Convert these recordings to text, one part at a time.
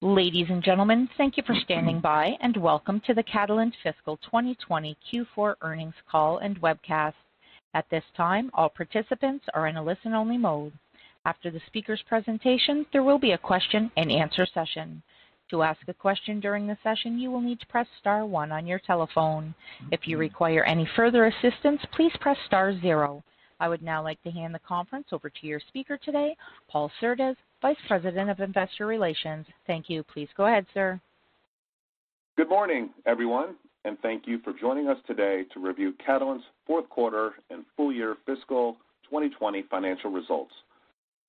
Ladies and gentlemen, thank you for standing by, and welcome to the Catalent Fiscal 2020 Q4 Earnings Call and Webcast. At this time, all participants are in a listen-only mode. After the speaker's presentation, there will be a question-and-answer session. To ask a question during the session, you will need to press star one on your telephone. If you require any further assistance, please press star zero. I would now like to hand the conference over to your speaker today, Paul Surdez, Vice President of Investor Relations. Thank you. Please go ahead, sir. Good morning, everyone, and thank you for joining us today to review Catalent's fourth quarter and full year fiscal 2020 financial results.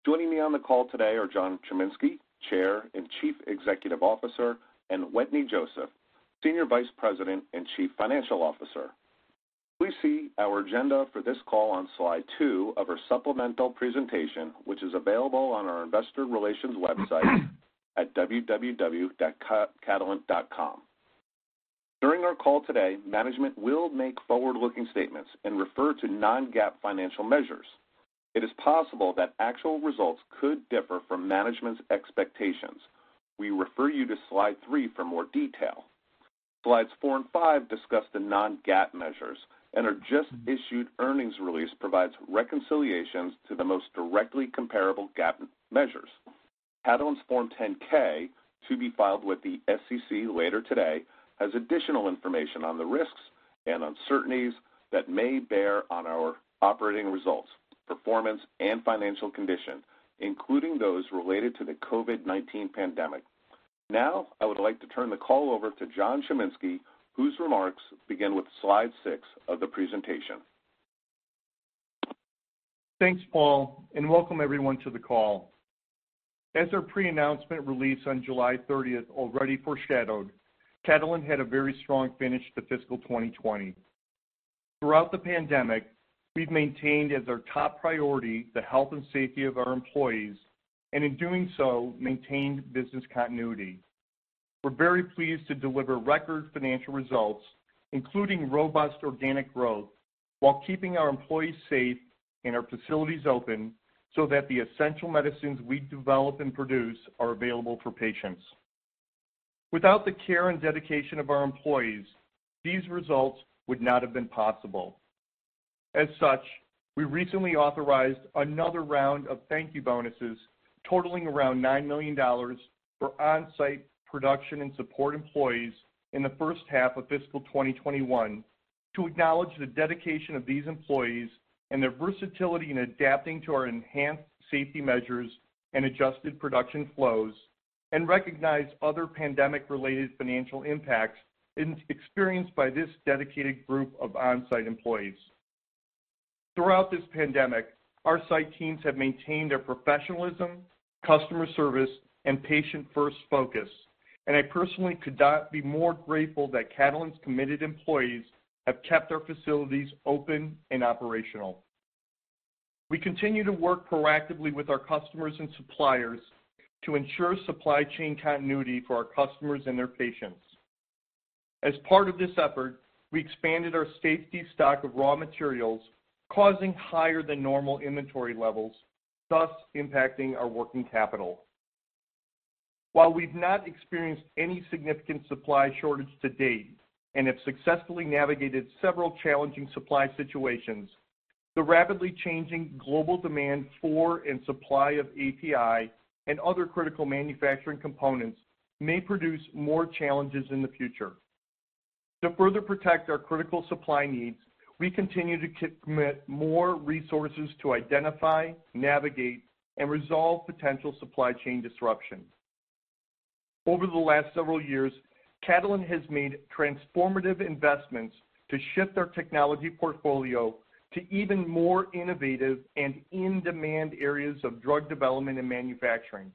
Joining me on the call today are John Chiminski, Chair and Chief Executive Officer, and Wetteny Joseph, Senior Vice President and Chief Financial Officer. Please see our agenda for this call on slide two of our supplemental presentation, which is available on our Investor Relations website at www.catalent.com. During our call today, management will make forward-looking statements and refer to non-GAAP financial measures. It is possible that actual results could differ from management's expectations. We refer you to slide three for more detail. Slides four and five discuss the non-GAAP measures, and our just-issued earnings release provides reconciliations to the most directly comparable GAAP measures. Catalent's Form 10-K, to be filed with the SEC later today, has additional information on the risks and uncertainties that may bear on our operating results, performance, and financial condition, including those related to the COVID-19 pandemic. Now, I would like to turn the call over to John Chiminski, whose remarks begin with slide six of the presentation. Thanks, Paul, and welcome everyone to the call. As our pre-announcement released on July 30th already foreshadowed, Catalent had a very strong finish to fiscal 2020. Throughout the pandemic, we've maintained as our top priority the health and safety of our employees, and in doing so, maintained business continuity. We're very pleased to deliver record financial results, including robust organic growth, while keeping our employees safe and our facilities open so that the essential medicines we develop and produce are available for patients. Without the care and dedication of our employees, these results would not have been possible. As such, we recently authorized another round of thank-you bonuses totaling around $9 million for on-site production and support employees in the first half of fiscal 2021 to acknowledge the dedication of these employees and their versatility in adapting to our enhanced safety measures and adjusted production flows, and recognize other pandemic-related financial impacts experienced by this dedicated group of on-site employees. Throughout this pandemic, our site teams have maintained their professionalism, customer service, and patient-first focus, and I personally could not be more grateful that Catalent's committed employees have kept their facilities open and operational. We continue to work proactively with our customers and suppliers to ensure supply chain continuity for our customers and their patients. As part of this effort, we expanded our safety stock of raw materials, causing higher-than-normal inventory levels, thus impacting our working capital. While we've not experienced any significant supply shortage to date and have successfully navigated several challenging supply situations, the rapidly changing global demand for and supply of API and other critical manufacturing components may produce more challenges in the future. To further protect our critical supply needs, we continue to commit more resources to identify, navigate, and resolve potential supply chain disruption. Over the last several years, Catalent has made transformative investments to shift our technology portfolio to even more innovative and in-demand areas of drug development and manufacturing.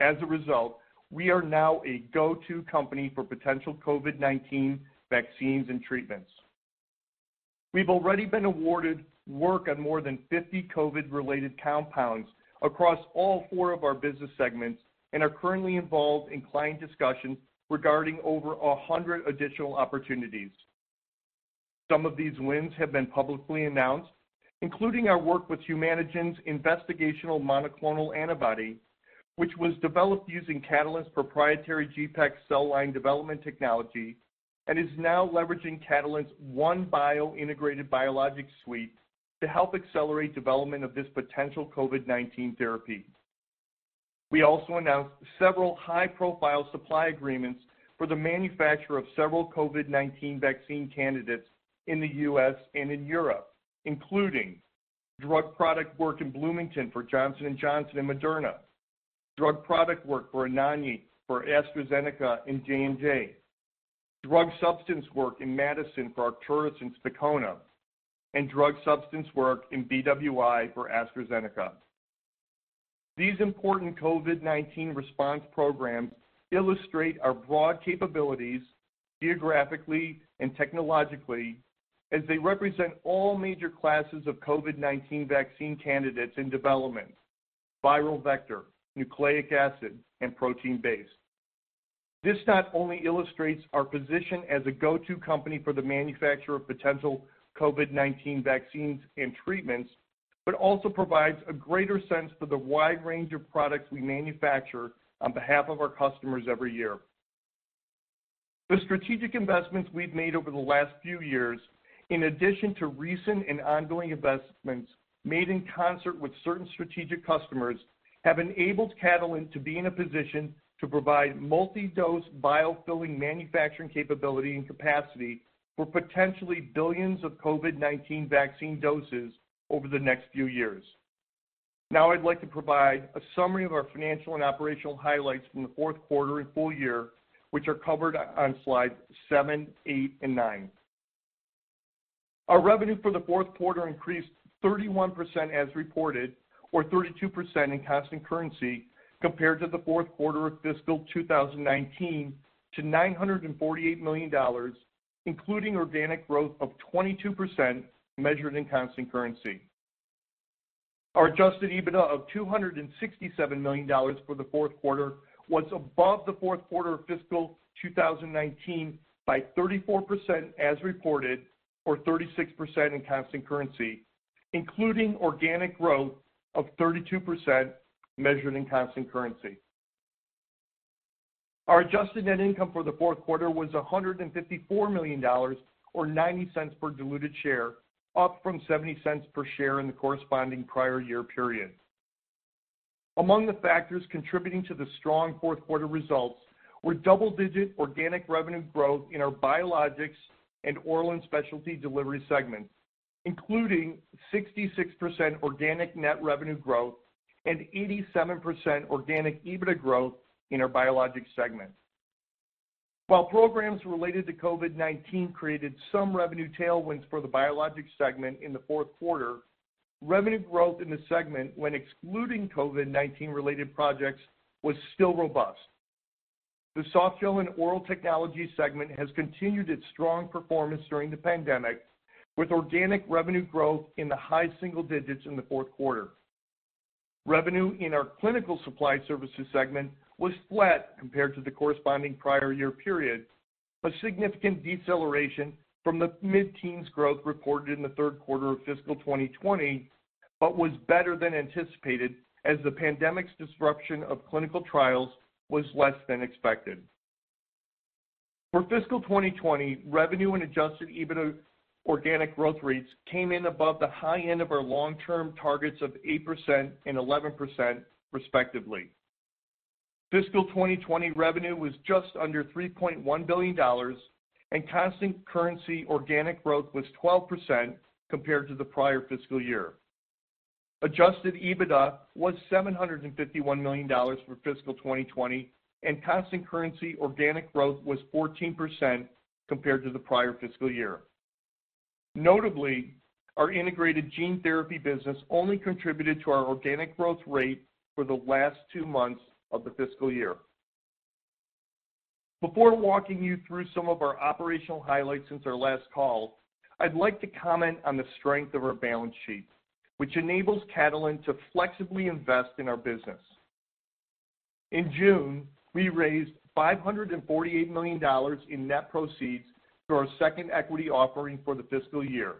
As a result, we are now a go-to company for potential COVID-19 vaccines and treatments. We've already been awarded work on more than 50 COVID-related compounds across all four of our business segments and are currently involved in client discussions regarding over 100 additional opportunities. Some of these wins have been publicly announced, including our work with Humanigen's investigational monoclonal antibody, which was developed using Catalent's proprietary GPEx cell line development technology and is now leveraging Catalent's OneBio integrated biologic suite to help accelerate development of this potential COVID-19 therapy. We also announced several high-profile supply agreements for the manufacture of several COVID-19 vaccine candidates in the U.S. and in Europe, including drug product work in Bloomington for Johnson & Johnson and Moderna, drug product work for Anagni for AstraZeneca and J&J, drug substance work in Madison for Arcturus and Spokane, and drug substance work in BWI for AstraZeneca. These important COVID-19 response programs illustrate our broad capabilities geographically and technologically as they represent all major classes of COVID-19 vaccine candidates in development: viral vector, nucleic acid, and protein-based. This not only illustrates our position as a go-to company for the manufacture of potential COVID-19 vaccines and treatments, but also provides a greater sense for the wide range of products we manufacture on behalf of our customers every year. The strategic investments we've made over the last few years, in addition to recent and ongoing investments made in concert with certain strategic customers, have enabled Catalent to be in a position to provide multi-dose vial filling manufacturing capability and capacity for potentially billions of COVID-19 vaccine doses over the next few years. Now, I'd like to provide a summary of our financial and operational highlights from the fourth quarter and full year, which are covered on slides seven, eight, and nine. Our revenue for the fourth quarter increased 31% as reported, or 32% in constant currency, compared to the fourth quarter of fiscal 2019 to $948 million, including organic growth of 22% measured in constant currency. Our adjusted EBITDA of $267 million for the fourth quarter was above the fourth quarter of fiscal 2019 by 34% as reported, or 36% in constant currency, including organic growth of 32% measured in constant currency. Our adjusted net income for the fourth quarter was $154 million, or $0.90 per diluted share, up from $0.70 per share in the corresponding prior year period. Among the factors contributing to the strong fourth quarter results were double-digit organic revenue growth in our Biologics and oral and specialty delivery segments, including 66% organic net revenue growth and 87% organic EBITDA growth in our Biologic segment. While programs related to COVID-19 created some revenue tailwinds for the Biologic segment in the fourth quarter, revenue growth in the segment, when excluding COVID-19-related projects, was still robust. The Softgel and Oral Technologies segment has continued its strong performance during the pandemic, with organic revenue growth in the high single digits in the fourth quarter. Revenue in our clinical supply services segment was flat compared to the corresponding prior year period, a significant deceleration from the mid-teens growth reported in the third quarter of fiscal 2020, but was better than anticipated as the pandemic's disruption of clinical trials was less than expected. For fiscal 2020, revenue and Adjusted EBITDA organic growth rates came in above the high end of our long-term targets of 8% and 11%, respectively. Fiscal 2020 revenue was just under $3.1 billion, and constant currency organic growth was 12% compared to the prior fiscal year. Adjusted EBITDA was $751 million for fiscal 2020, and constant currency organic growth was 14% compared to the prior fiscal year. Notably, our integrated gene therapy business only contributed to our organic growth rate for the last two months of the fiscal year. Before walking you through some of our operational highlights since our last call, I'd like to comment on the strength of our balance sheet, which enables Catalent to flexibly invest in our business. In June, we raised $548 million in net proceeds through our second equity offering for the fiscal year,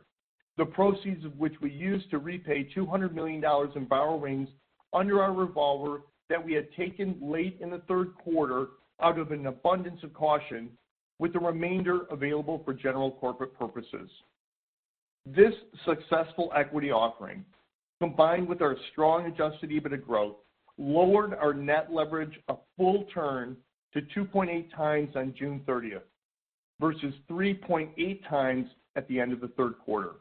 the proceeds of which we used to repay $200 million in borrowings under our revolver that we had taken late in the third quarter out of an abundance of caution, with the remainder available for general corporate purposes. This successful equity offering, combined with our strong Adjusted EBITDA growth, lowered our net leverage a full turn to 2.8 times on June 30th versus 3.8 times at the end of the third quarter.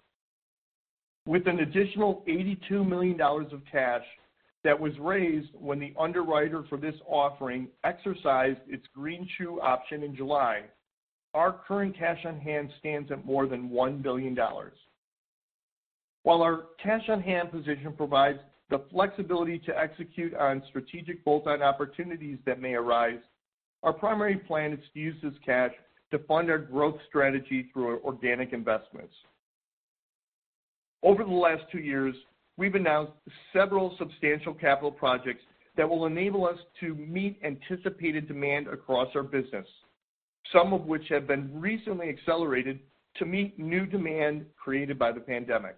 With an additional $82 million of cash that was raised when the underwriter for this offering exercised its greenshoe option in July, our current cash on hand stands at more than $1 billion. While our cash on hand position provides the flexibility to execute on strategic bolt-on opportunities that may arise, our primary plan is to use this cash to fund our growth strategy through organic investments. Over the last two years, we've announced several substantial capital projects that will enable us to meet anticipated demand across our business, some of which have been recently accelerated to meet new demand created by the pandemic.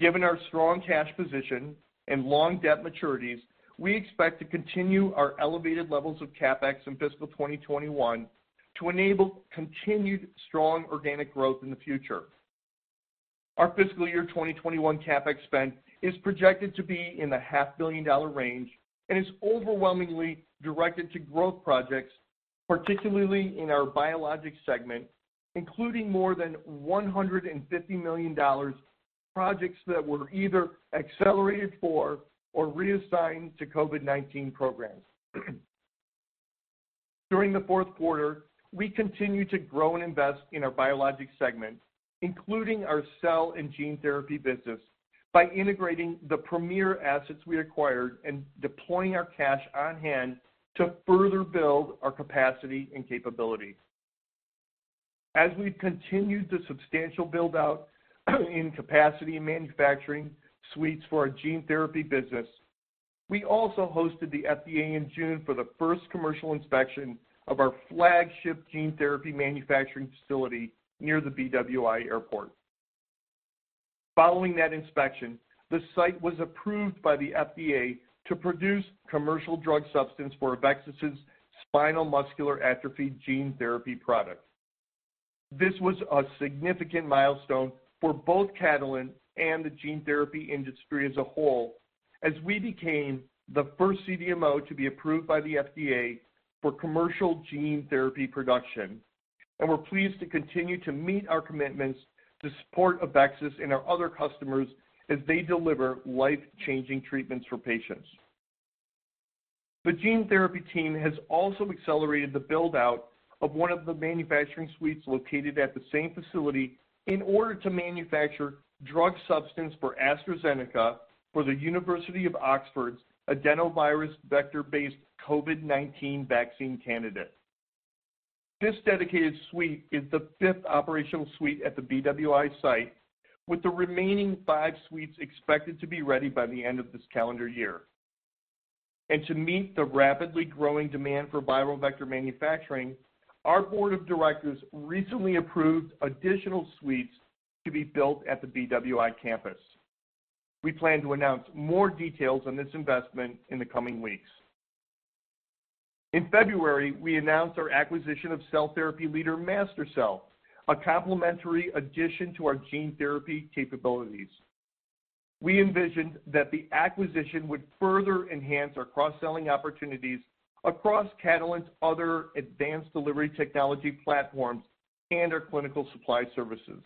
Given our strong cash position and long debt maturities, we expect to continue our elevated levels of CapEx in fiscal 2021 to enable continued strong organic growth in the future. Our fiscal year 2021 CapEx spend is projected to be in the $500 million range and is overwhelmingly directed to growth projects, particularly in our Biologic segment, including more than $150 million projects that were either accelerated for or reassigned to COVID-19 programs. During the fourth quarter, we continue to grow and invest in our Biologic segment, including our cell and gene therapy business, by integrating the premier assets we acquired and deploying our cash on hand to further build our capacity and capability. As we've continued the substantial build-out in capacity and manufacturing suites for our gene therapy business, we also hosted the FDA in June for the first commercial inspection of our flagship gene therapy manufacturing facility near the BWI airport. Following that inspection, the site was approved by the FDA to produce commercial drug substance for AveXis's spinal muscular atrophy gene therapy product. This was a significant milestone for both Catalent and the gene therapy industry as a whole, as we became the first CDMO to be approved by the FDA for commercial gene therapy production, and we're pleased to continue to meet our commitments to support AveXis and our other customers as they deliver life-changing treatments for patients. The gene therapy team has also accelerated the build-out of one of the manufacturing suites located at the same facility in order to manufacture drug substance for AstraZeneca for the University of Oxford's adenovirus vector-based COVID-19 vaccine candidate. This dedicated suite is the fifth operational suite at the BWI site, with the remaining five suites expected to be ready by the end of this calendar year. To meet the rapidly growing demand for viral vector manufacturing, our board of directors recently approved additional suites to be built at the BWI campus. We plan to announce more details on this investment in the coming weeks. In February, we announced our acquisition of cell therapy leader MasterCell, a complementary addition to our gene therapy capabilities. We envisioned that the acquisition would further enhance our cross-selling opportunities across Catalent's other advanced delivery technology platforms and our clinical supply services.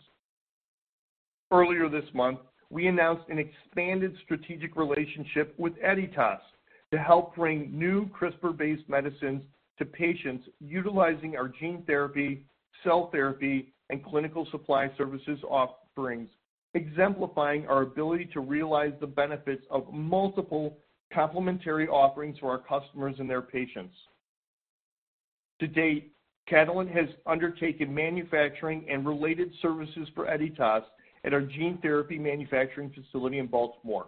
Earlier this month, we announced an expanded strategic relationship with Editas to help bring new CRISPR-based medicines to patients utilizing our gene therapy, cell therapy, and clinical supply services offerings, exemplifying our ability to realize the benefits of multiple complementary offerings for our customers and their patients. To date, Catalent has undertaken manufacturing and related services for Editas at our gene therapy manufacturing facility in Baltimore.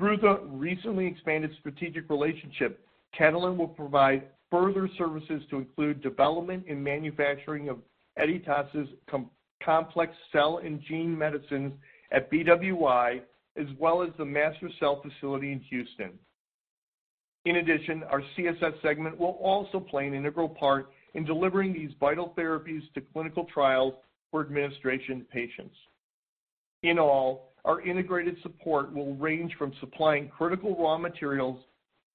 Through the recently expanded strategic relationship, Catalent will provide further services to include development and manufacturing of Editas's complex cell and gene medicines at BWI, as well as the MasterCell facility in Houston. In addition, our CSS segment will also play an integral part in delivering these vital therapies to clinical trials for administration to patients. In all, our integrated support will range from supplying critical raw materials,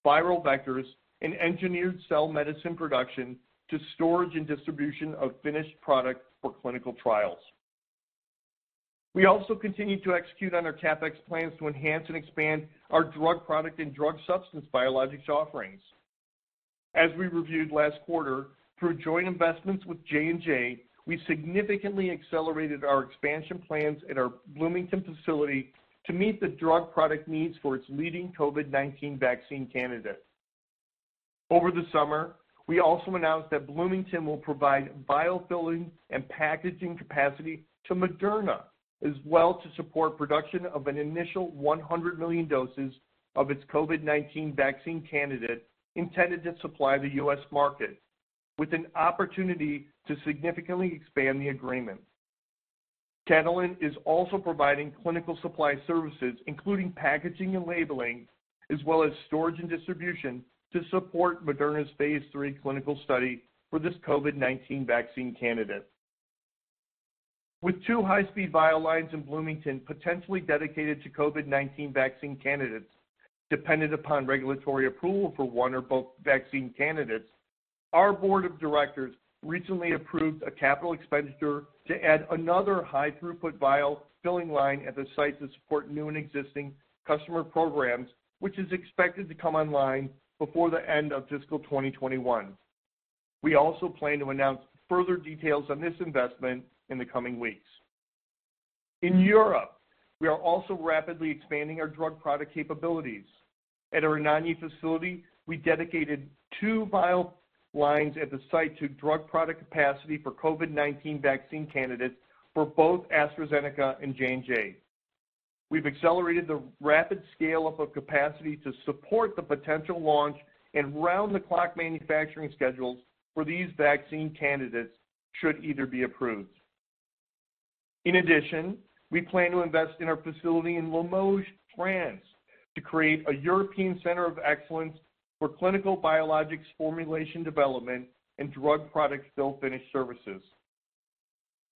viral vectors, and engineered cell medicine production to storage and distribution of finished product for clinical trials. We also continue to execute on our CapEx plans to enhance and expand our drug product and drug substance biologics offerings. As we reviewed last quarter, through joint investments with J&J, we significantly accelerated our expansion plans at our Bloomington facility to meet the drug product needs for its leading COVID-19 vaccine candidate. Over the summer, we also announced that Bloomington will provide vial filling and packaging capacity to Moderna, as well as to support production of an initial 100 million doses of its COVID-19 vaccine candidate intended to supply the U.S. market, with an opportunity to significantly expand the agreement. Catalent is also providing clinical supply services, including packaging and labeling, as well as storage and distribution to support Moderna's Phase 3 clinical study for this COVID-19 vaccine candidate. With two high-speed vial lines in Bloomington potentially dedicated to COVID-19 vaccine candidates dependent upon regulatory approval for one or both vaccine candidates, our board of directors recently approved a capital expenditure to add another high-throughput vial filling line at the site to support new and existing customer programs, which is expected to come online before the end of fiscal 2021. We also plan to announce further details on this investment in the coming weeks. In Europe, we are also rapidly expanding our drug product capabilities. At our Anagni facility, we dedicated two vial lines at the site to drug product capacity for COVID-19 vaccine candidates for both AstraZeneca and J&J. We've accelerated the rapid scale-up of capacity to support the potential launch and round-the-clock manufacturing schedules for these vaccine candidates should either be approved. In addition, we plan to invest in our facility in Limoges, France, to create a European center of excellence for clinical biologics formulation development and drug product fill-finish services.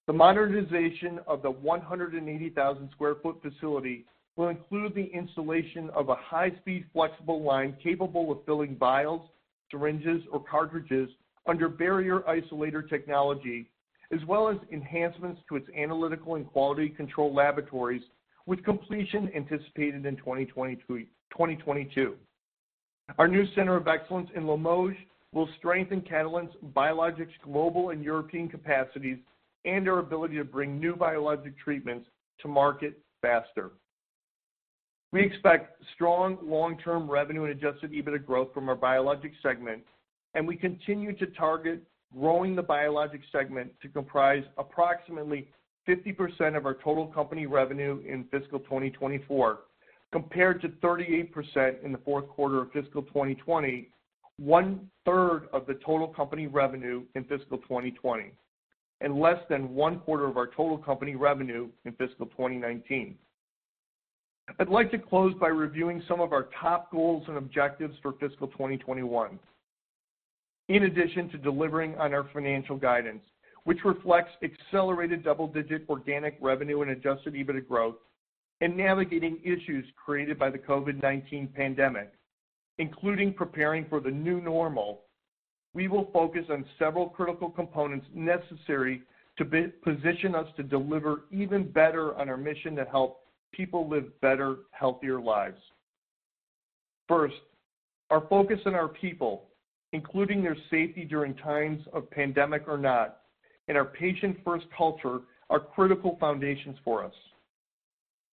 The modernization of the 180,000-sq-ft facility will include the installation of a high-speed flexible line capable of filling vials, syringes, or cartridges under barrier isolator technology, as well as enhancements to its analytical and quality control laboratories, with completion anticipated in 2022. Our new center of excellence in Limoges will strengthen Catalent's biologics' global and European capacities and our ability to bring new biologic treatments to market faster. We expect strong long-term revenue and Adjusted EBITDA growth from our Biologics segment, and we continue to target growing the Biologics segment to comprise approximately 50% of our total company revenue in fiscal 2024, compared to 38% in the fourth quarter of fiscal 2020, 33% of the total company revenue in fiscal 2020, and less than 25% of our total company revenue in fiscal 2019. I'd like to close by reviewing some of our top goals and objectives for fiscal 2021, in addition to delivering on our financial guidance, which reflects accelerated double-digit organic revenue and Adjusted EBITDA growth, and navigating issues created by the COVID-19 pandemic, including preparing for the new normal. We will focus on several critical components necessary to position us to deliver even better on our mission to help people live better, healthier lives. First, our focus on our people, including their safety during times of pandemic or not, and our patient-first culture are critical foundations for us.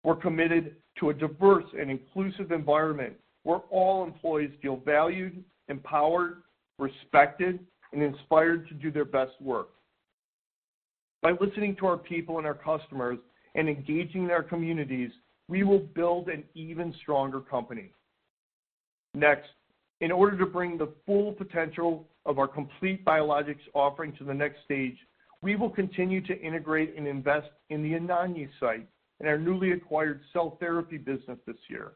We're committed to a diverse and inclusive environment where all employees feel valued, empowered, respected, and inspired to do their best work. By listening to our people and our customers and engaging in our communities, we will build an even stronger company. Next, in order to bring the full potential of our complete biologics offering to the next stage, we will continue to integrate and invest in the Anagni site and our newly acquired cell therapy business this year.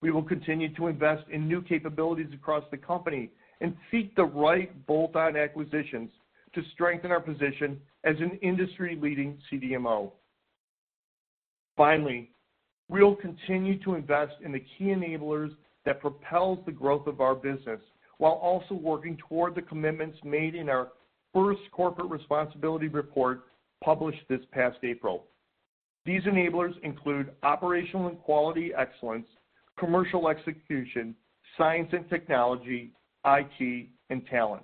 We will continue to invest in new capabilities across the company and seek the right bolt-on acquisitions to strengthen our position as an industry-leading CDMO. Finally, we'll continue to invest in the key enablers that propel the growth of our business while also working toward the commitments made in our first corporate responsibility report published this past April. These enablers include operational and quality excellence, commercial execution, science and technology, IT, and talent.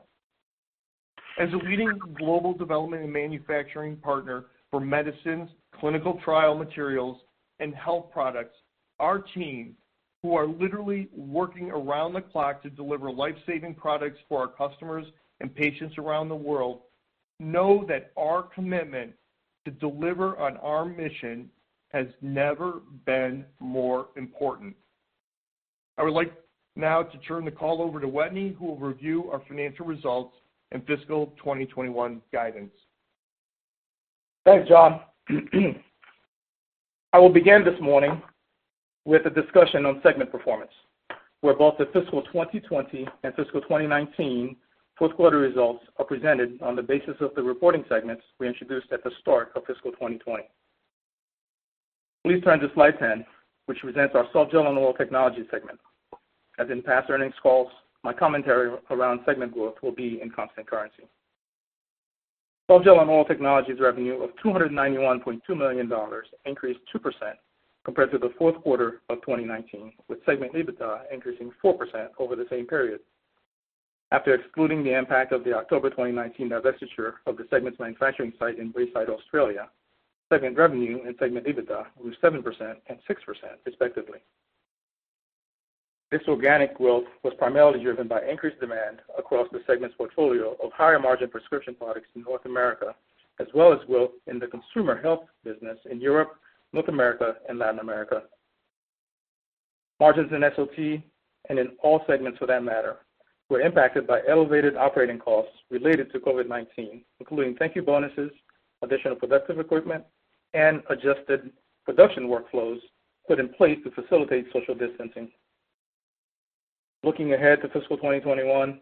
As a leading global development and manufacturing partner for medicines, clinical trial materials, and health products, our team, who are literally working around the clock to deliver lifesaving products for our customers and patients around the world, know that our commitment to deliver on our mission has never been more important. I would like now to turn the call over to Wetteny, who will review our financial results and fiscal 2021 guidance. Thanks, John. I will begin this morning with a discussion on segment performance, where both the fiscal 2020 and fiscal 2019 fourth-quarter results are presented on the basis of the reporting segments we introduced at the start of fiscal 2020. Please turn to slide 10, which presents our Softgel and Oral Technologies segment. As in past earnings calls, my commentary around segment growth will be in constant currency. Softgel and Oral Technology's revenue of $291.2 million increased 2% compared to the fourth quarter of 2019, with segment EBITDA increased 4% over the same period. After excluding the impact of the October 2019 divestiture of the segment's manufacturing site in Braeside, Australia, segment revenue and segment EBITDA grew 7% and 6%, respectively. This organic growth was primarily driven by increased demand across the segment's portfolio of higher-margin prescription products in North America, as well as growth in the consumer health business in Europe, North America, and Latin America. Margins in SOT and in all segments for that matter were impacted by elevated operating costs related to COVID-19, including thank-you bonuses, additional productive equipment, and adjusted production workflows put in place to facilitate social distancing. Looking ahead to fiscal 2021,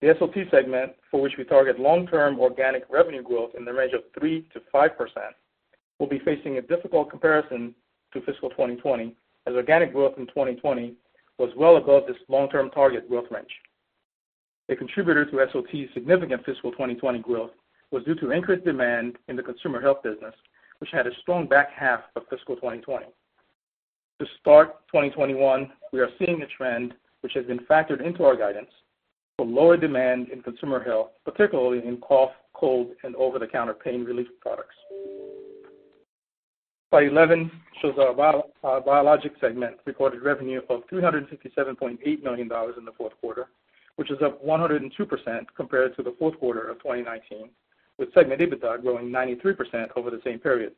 the SOT segment, for which we target long-term organic revenue growth in the range of 3% to 5%, will be facing a difficult comparison to fiscal 2020, as organic growth in 2020 was well above this long-term target growth range. A contributor to SOT's significant fiscal 2020 growth was due to increased demand in the consumer health business, which had a strong back half of fiscal 2020. To start 2021, we are seeing a trend which has been factored into our guidance for lower demand in consumer health, particularly in cough, cold, and over-the-counter pain relief products. Slide 11 shows our Biologic segment reported revenue of $357.8 million in the fourth quarter, which is up 102% compared to the fourth quarter of 2019, with segment EBITDA growing 93% over the same period.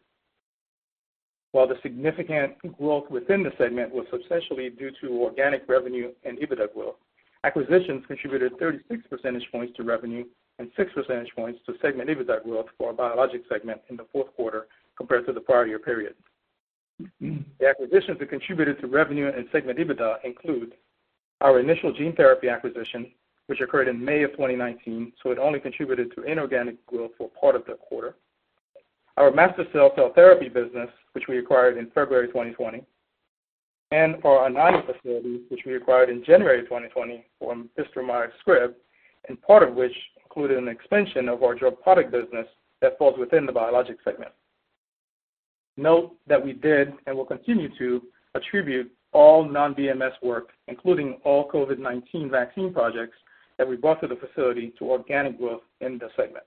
While the significant growth within the segment was substantially due to organic revenue and EBITDA growth, acquisitions contributed 36 percentage points to revenue and 6 percentage points to segment EBITDA growth for our Biologic segment in the fourth quarter compared to the prior year period. The acquisitions that contributed to revenue and segment EBITDA include our initial gene therapy acquisition, which occurred in May of 2019, so it only contributed to inorganic growth for part of the quarter, our MasterCell cell therapy business, which we acquired in February 2020, and our Anagni facility, which we acquired in January 2020 from Bristol Myers Squibb, and part of which included an expansion of our drug product business that falls within the Biologic segment. Note that we did and will continue to attribute all non-BMS work, including all COVID-19 vaccine projects that we brought to the facility, to organic growth in the segment.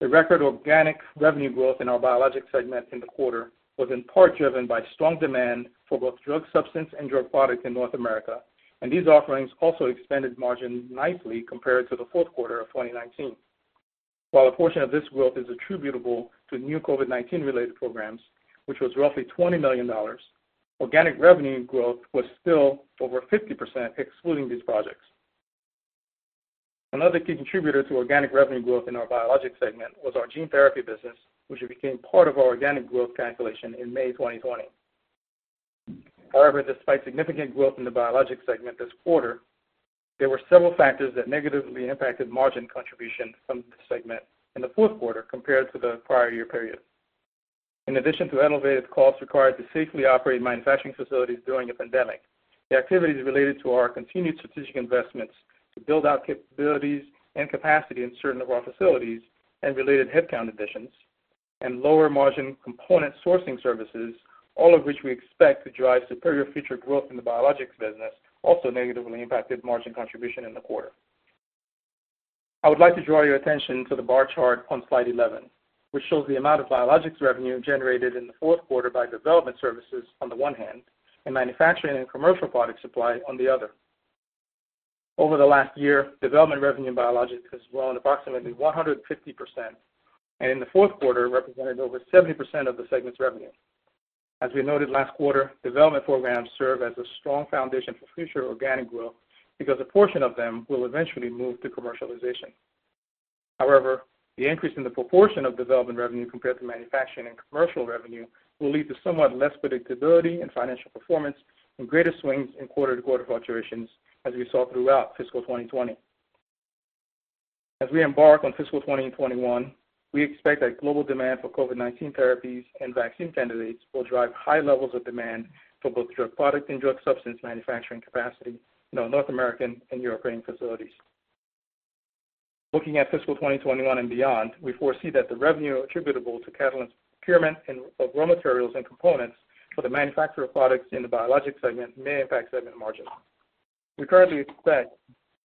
The record organic revenue growth in our Biologic segment in the quarter was in part driven by strong demand for both drug substance and drug product in North America, and these offerings also expanded margin nicely compared to the fourth quarter of 2019. While a portion of this growth is attributable to new COVID-19-related programs, which was roughly $20 million, organic revenue growth was still over 50% excluding these projects. Another key contributor to organic revenue growth in our Biologics segment was our gene therapy business, which became part of our organic growth calculation in May 2020. However, despite significant growth in the Biologics segment this quarter, there were several factors that negatively impacted margin contribution from the segment in the fourth quarter compared to the prior year period. In addition to elevated costs required to safely operate manufacturing facilities during a pandemic, the activities related to our continued strategic investments to build out capabilities and capacity invested in our facilities and related headcount additions and lower-margin component sourcing services, all of which we expect to drive superior future growth in the biologics business, also negatively impacted margin contribution in the quarter. I would like to draw your attention to the bar chart on slide 11, which shows the amount of biologics revenue generated in the fourth quarter by development services on the one hand and manufacturing and commercial product supply on the other. Over the last year, development revenue in biologics has grown approximately 150% and in the fourth quarter represented over 70% of the segment's revenue. As we noted last quarter, development programs serve as a strong foundation for future organic growth because a portion of them will eventually move to commercialization. However, the increase in the proportion of development revenue compared to manufacturing and commercial revenue will lead to somewhat less predictability in financial performance and greater swings in quarter-to-quarter fluctuations, as we saw throughout fiscal 2020. As we embark on fiscal 2021, we expect that global demand for COVID-19 therapies and vaccine candidates will drive high levels of demand for both drug product and drug substance manufacturing capacity in our North American and European facilities. Looking at fiscal 2021 and beyond, we foresee that the revenue attributable to Catalent's procurement of raw materials and components for the manufactured products in the Biologic segment may impact segment margins. We currently expect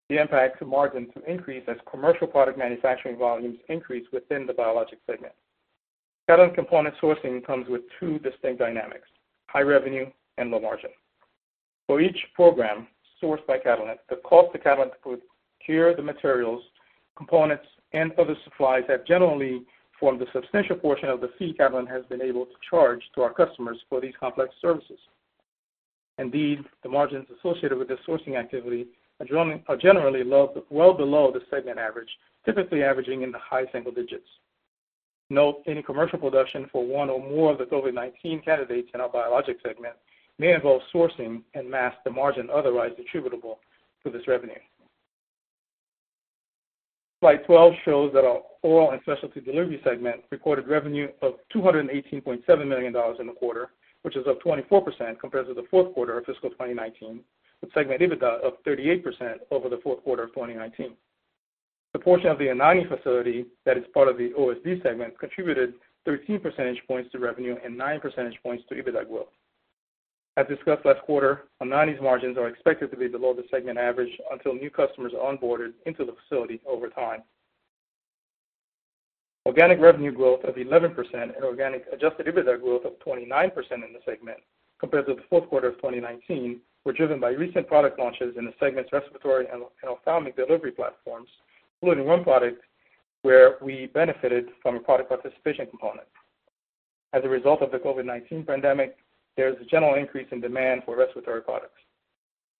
the impact to margins to increase as commercial product manufacturing volumes increase within the Biologic segment. Catalent component sourcing comes with two distinct dynamics: high revenue and low margin. For each program sourced by Catalent, the cost to Catalent to procure the materials, components, and other supplies have generally formed the substantial portion of the fee Catalent has been able to charge to our customers for these complex services. Indeed, the margins associated with this sourcing activity are generally well below the segment average, typically averaging in the high single digits. Note any commercial production for one or more of the COVID-19 candidates in our Biologic segment may involve sourcing and mask the margin otherwise attributable to this revenue. Slide 12 shows that our oral and specialty delivery segment recorded revenue of $218.7 million in the quarter, which is up 24% compared to the fourth quarter of fiscal 2019, with segment EBITDA of 38% over the fourth quarter of 2019. The portion of the Anagni facility that is part of the OSD segment contributed 13 percentage points to revenue and 9 percentage points to EBITDA growth. As discussed last quarter, Anagni's margins are expected to be below the segment average until new customers are onboarded into the facility over time. Organic revenue growth of 11% and organic Adjusted EBITDA growth of 29% in the segment compared to the fourth quarter of 2019 were driven by recent product launches in the segment's respiratory and ophthalmic delivery platforms, including one product where we benefited from a product participation component. As a result of the COVID-19 pandemic, there is a general increase in demand for respiratory products.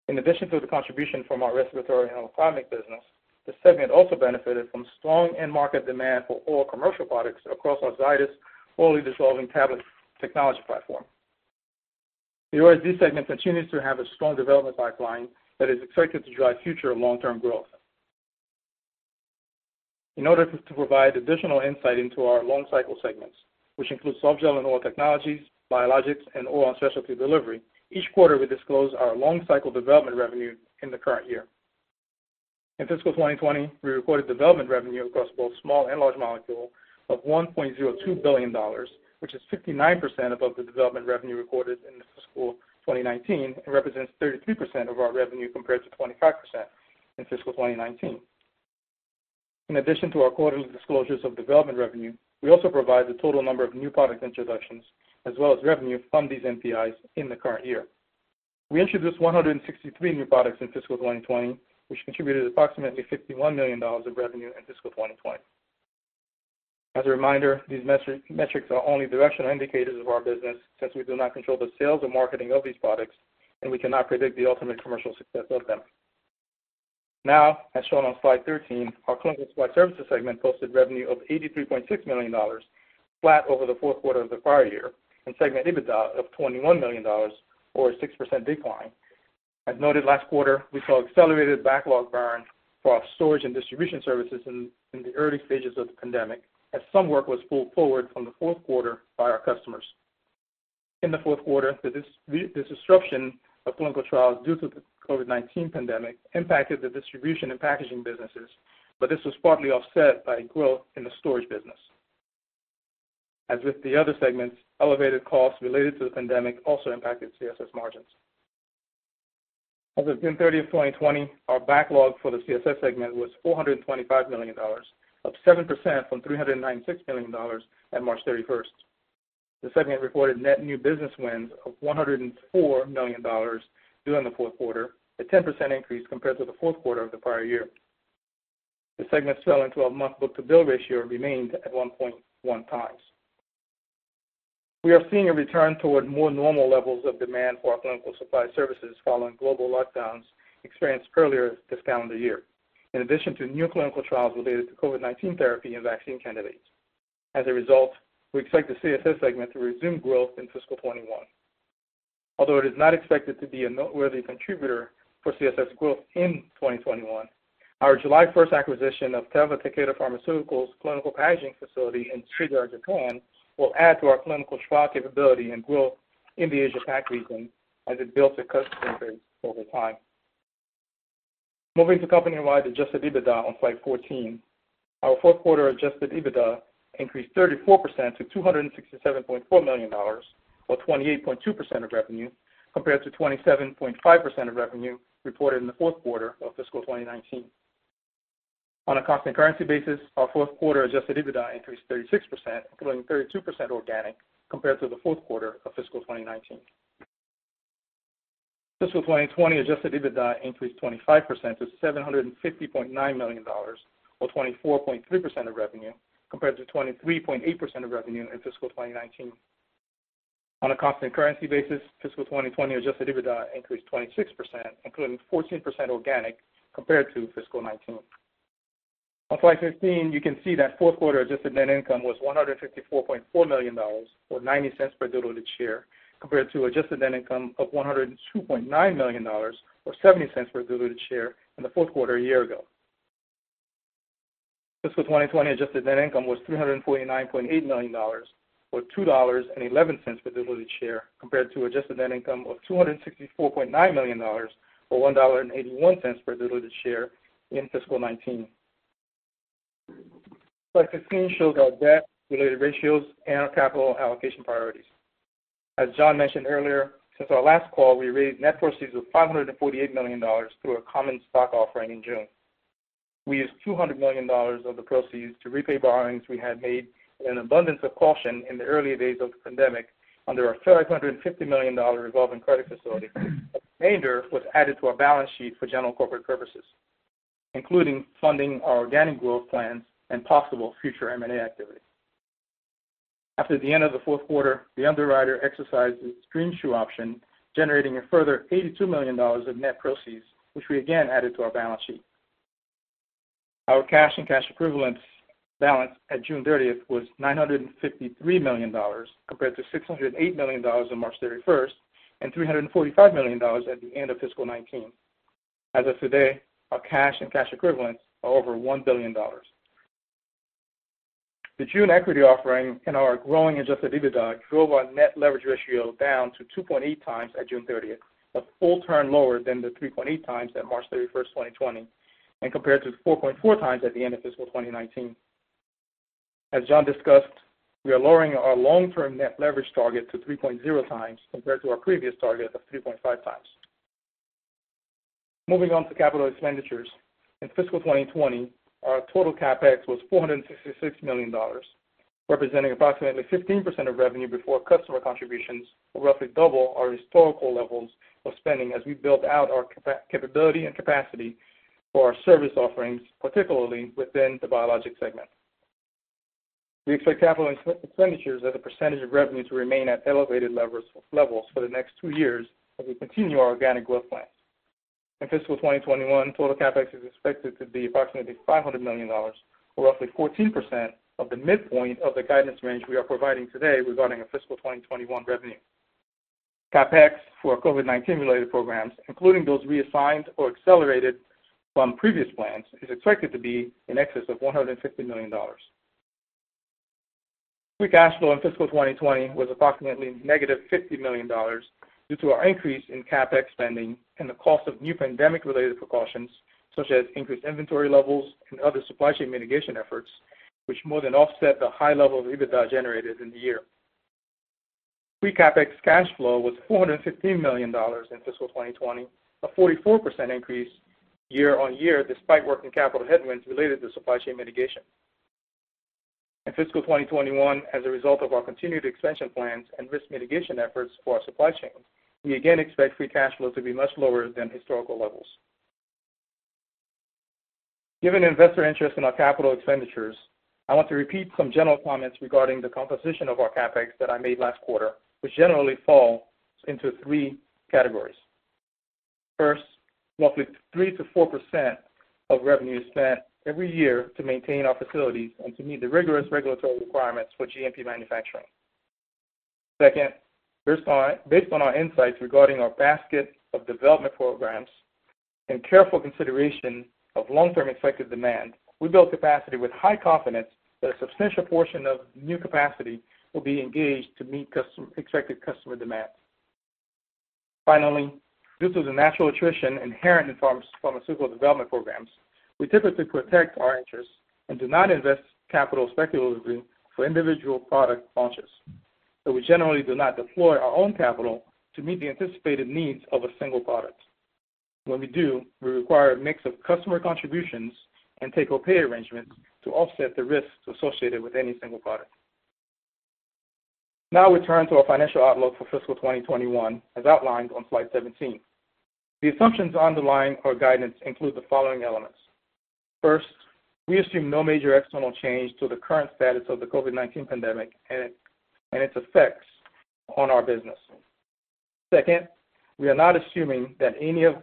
In addition to the contribution from our respiratory and ophthalmic business, the segment also benefited from strong end-market demand for oral commercial products across our Zydis orally disintegrating tablet technology platform. The OSD segment continues to have a strong development pipeline that is expected to drive future long-term growth. In order to provide additional insight into our long-cycle segments, which include Softgel and Oral Technologies, biologics, and oral and specialty delivery, each quarter we disclose our long-cycle development revenue in the current year. In fiscal 2020, we recorded development revenue across both small and large molecule of $1.02 billion, which is 59% above the development revenue recorded in fiscal 2019 and represents 33% of our revenue compared to 25% in fiscal 2019. In addition to our quarterly disclosures of development revenue, we also provide the total number of new product introductions as well as revenue from these NPIs in the current year. We introduced 163 new products in fiscal 2020, which contributed approximately $51 million of revenue in fiscal 2020. As a reminder, these metrics are only directional indicators of our business since we do not control the sales or marketing of these products, and we cannot predict the ultimate commercial success of them. Now, as shown on slide 13, our Clinical Supply Services segment posted revenue of $83.6 million, flat over the fourth quarter of the prior year, and segment EBITDA of $21 million, or a 6% decline. As noted last quarter, we saw accelerated backlog burn for our storage and distribution services in the early stages of the pandemic, as some work was pulled forward from the fourth quarter by our customers. In the fourth quarter, the disruption of clinical trials due to the COVID-19 pandemic impacted the distribution and packaging businesses, but this was partly offset by growth in the storage business. As with the other segments, elevated costs related to the pandemic also impacted CSS margins. As of June 30, 2020, our backlog for the CSS segment was $425 million, up 7% from $396 million at March 31. The segment reported net new business wins of $104 million during the fourth quarter, a 10% increase compared to the fourth quarter of the prior year. The segment's 12-month book-to-bill ratio remained at 1.1 times. We are seeing a return toward more normal levels of demand for our clinical supply services following global lockdowns experienced earlier this calendar year, in addition to new clinical trials related to COVID-19 therapy and vaccine candidates. As a result, we expect the CSS segment to resume growth in fiscal 2021. Although it is not expected to be a noteworthy contributor for CSS growth in 2021, our July 1 acquisition of Teva Takeda Pharmaceuticals' clinical packaging facility in Shiga, Japan, will add to our clinical trial capability and growth in the Asia-Pac region as it builds a customer base over time. Moving to company-wide Adjusted EBITDA on slide 14, our fourth quarter Adjusted EBITDA increased 34% to $267.4 million, or 28.2% of revenue, compared to 27.5% of revenue reported in the fourth quarter of fiscal 2019. On a cost and currency basis, our fourth quarter Adjusted EBITDA increased 36%, including 32% organic, compared to the fourth quarter of fiscal 2019. Fiscal 2020 Adjusted EBITDA increased 25% to $750.9 million, or 24.3% of revenue, compared to 23.8% of revenue in fiscal 2019. On a cost and currency basis, fiscal 2020 Adjusted EBITDA increased 26%, including 14% organic, compared to fiscal 2019. On slide 15, you can see that fourth quarter Adjusted net income was $154.4 million, or $0.90 per diluted share, compared to Adjusted net income of $102.9 million, or $0.70 per diluted share in the fourth quarter a year ago. Fiscal 2020 adjusted net income was $349.8 million, or $2.11 per diluted share, compared to adjusted net income of $264.9 million, or $1.81 per diluted share in fiscal 2019. Slide 15 shows our debt-related ratios and our capital allocation priorities. As John mentioned earlier, since our last call, we raised net proceeds of $548 million through a common stock offering in June. We used $200 million of the proceeds to repay borrowings we had made in an abundance of caution in the early days of the pandemic under our $550 million revolving credit facility. The remainder was added to our balance sheet for general corporate purposes, including funding our organic growth plans and possible future M&A activity. After the end of the fourth quarter, the underwriter exercised its greenshoe option, generating a further $82 million of net proceeds, which we again added to our balance sheet. Our cash and cash equivalents balance at June 30 was $953 million compared to $608 million on March 31 and $345 million at the end of fiscal 2019. As of today, our cash and cash equivalents are over $1 billion. The June equity offering and our growing Adjusted EBITDA drove our net leverage ratio down to 2.8 times at June 30, a full turn lower than the 3.8 times at March 31, 2020, and compared to 4.4 times at the end of fiscal 2019. As John discussed, we are lowering our long-term net leverage target to 3.0 times compared to our previous target of 3.5 times. Moving on to capital expenditures, in fiscal 2020, our total CapEx was $466 million, representing approximately 15% of revenue before customer contributions, roughly double our historical levels of spending as we build out our capability and capacity for our service offerings, particularly within the biologics segment. We expect capital expenditures as a percentage of revenue to remain at elevated levels for the next two years as we continue our organic growth plans. In fiscal 2021, total CapEx is expected to be approximately $500 million, or roughly 14% of the midpoint of the guidance range we are providing today regarding our fiscal 2021 revenue. CapEx for COVID-19-related programs, including those reassigned or accelerated from previous plans, is expected to be in excess of $150 million. Free cash flow in fiscal 2020 was approximately negative $50 million due to our increase in CapEx spending and the cost of new pandemic-related precautions, such as increased inventory levels and other supply chain mitigation efforts, which more than offset the high level of EBITDA generated in the year. Free CapEx cash flow was $415 million in fiscal 2020, a 44% increase year on year despite working capital headwinds related to supply chain mitigation. In fiscal 2021, as a result of our continued expansion plans and risk mitigation efforts for our supply chain, we again expect free cash flow to be much lower than historical levels. Given investor interest in our capital expenditures, I want to repeat some general comments regarding the composition of our CapEx that I made last quarter, which generally falls into three categories. First, roughly 3%-4% of revenue is spent every year to maintain our facilities and to meet the rigorous regulatory requirements for GMP manufacturing. Second, based on our insights regarding our basket of development programs and careful consideration of long-term expected demand, we build capacity with high confidence that a substantial portion of new capacity will be engaged to meet expected customer demand. Finally, due to the natural attrition inherent in pharmaceutical development programs, we typically protect our interests and do not invest capital speculatively for individual product launches. So we generally do not deploy our own capital to meet the anticipated needs of a single product. When we do, we require a mix of customer contributions and take-or-pay arrangements to offset the risks associated with any single product. Now we turn to our financial outlook for fiscal 2021, as outlined on slide 17. The assumptions underlying our guidance include the following elements. First, we assume no major external change to the current status of the COVID-19 pandemic and its effects on our business. Second, we are not assuming that any of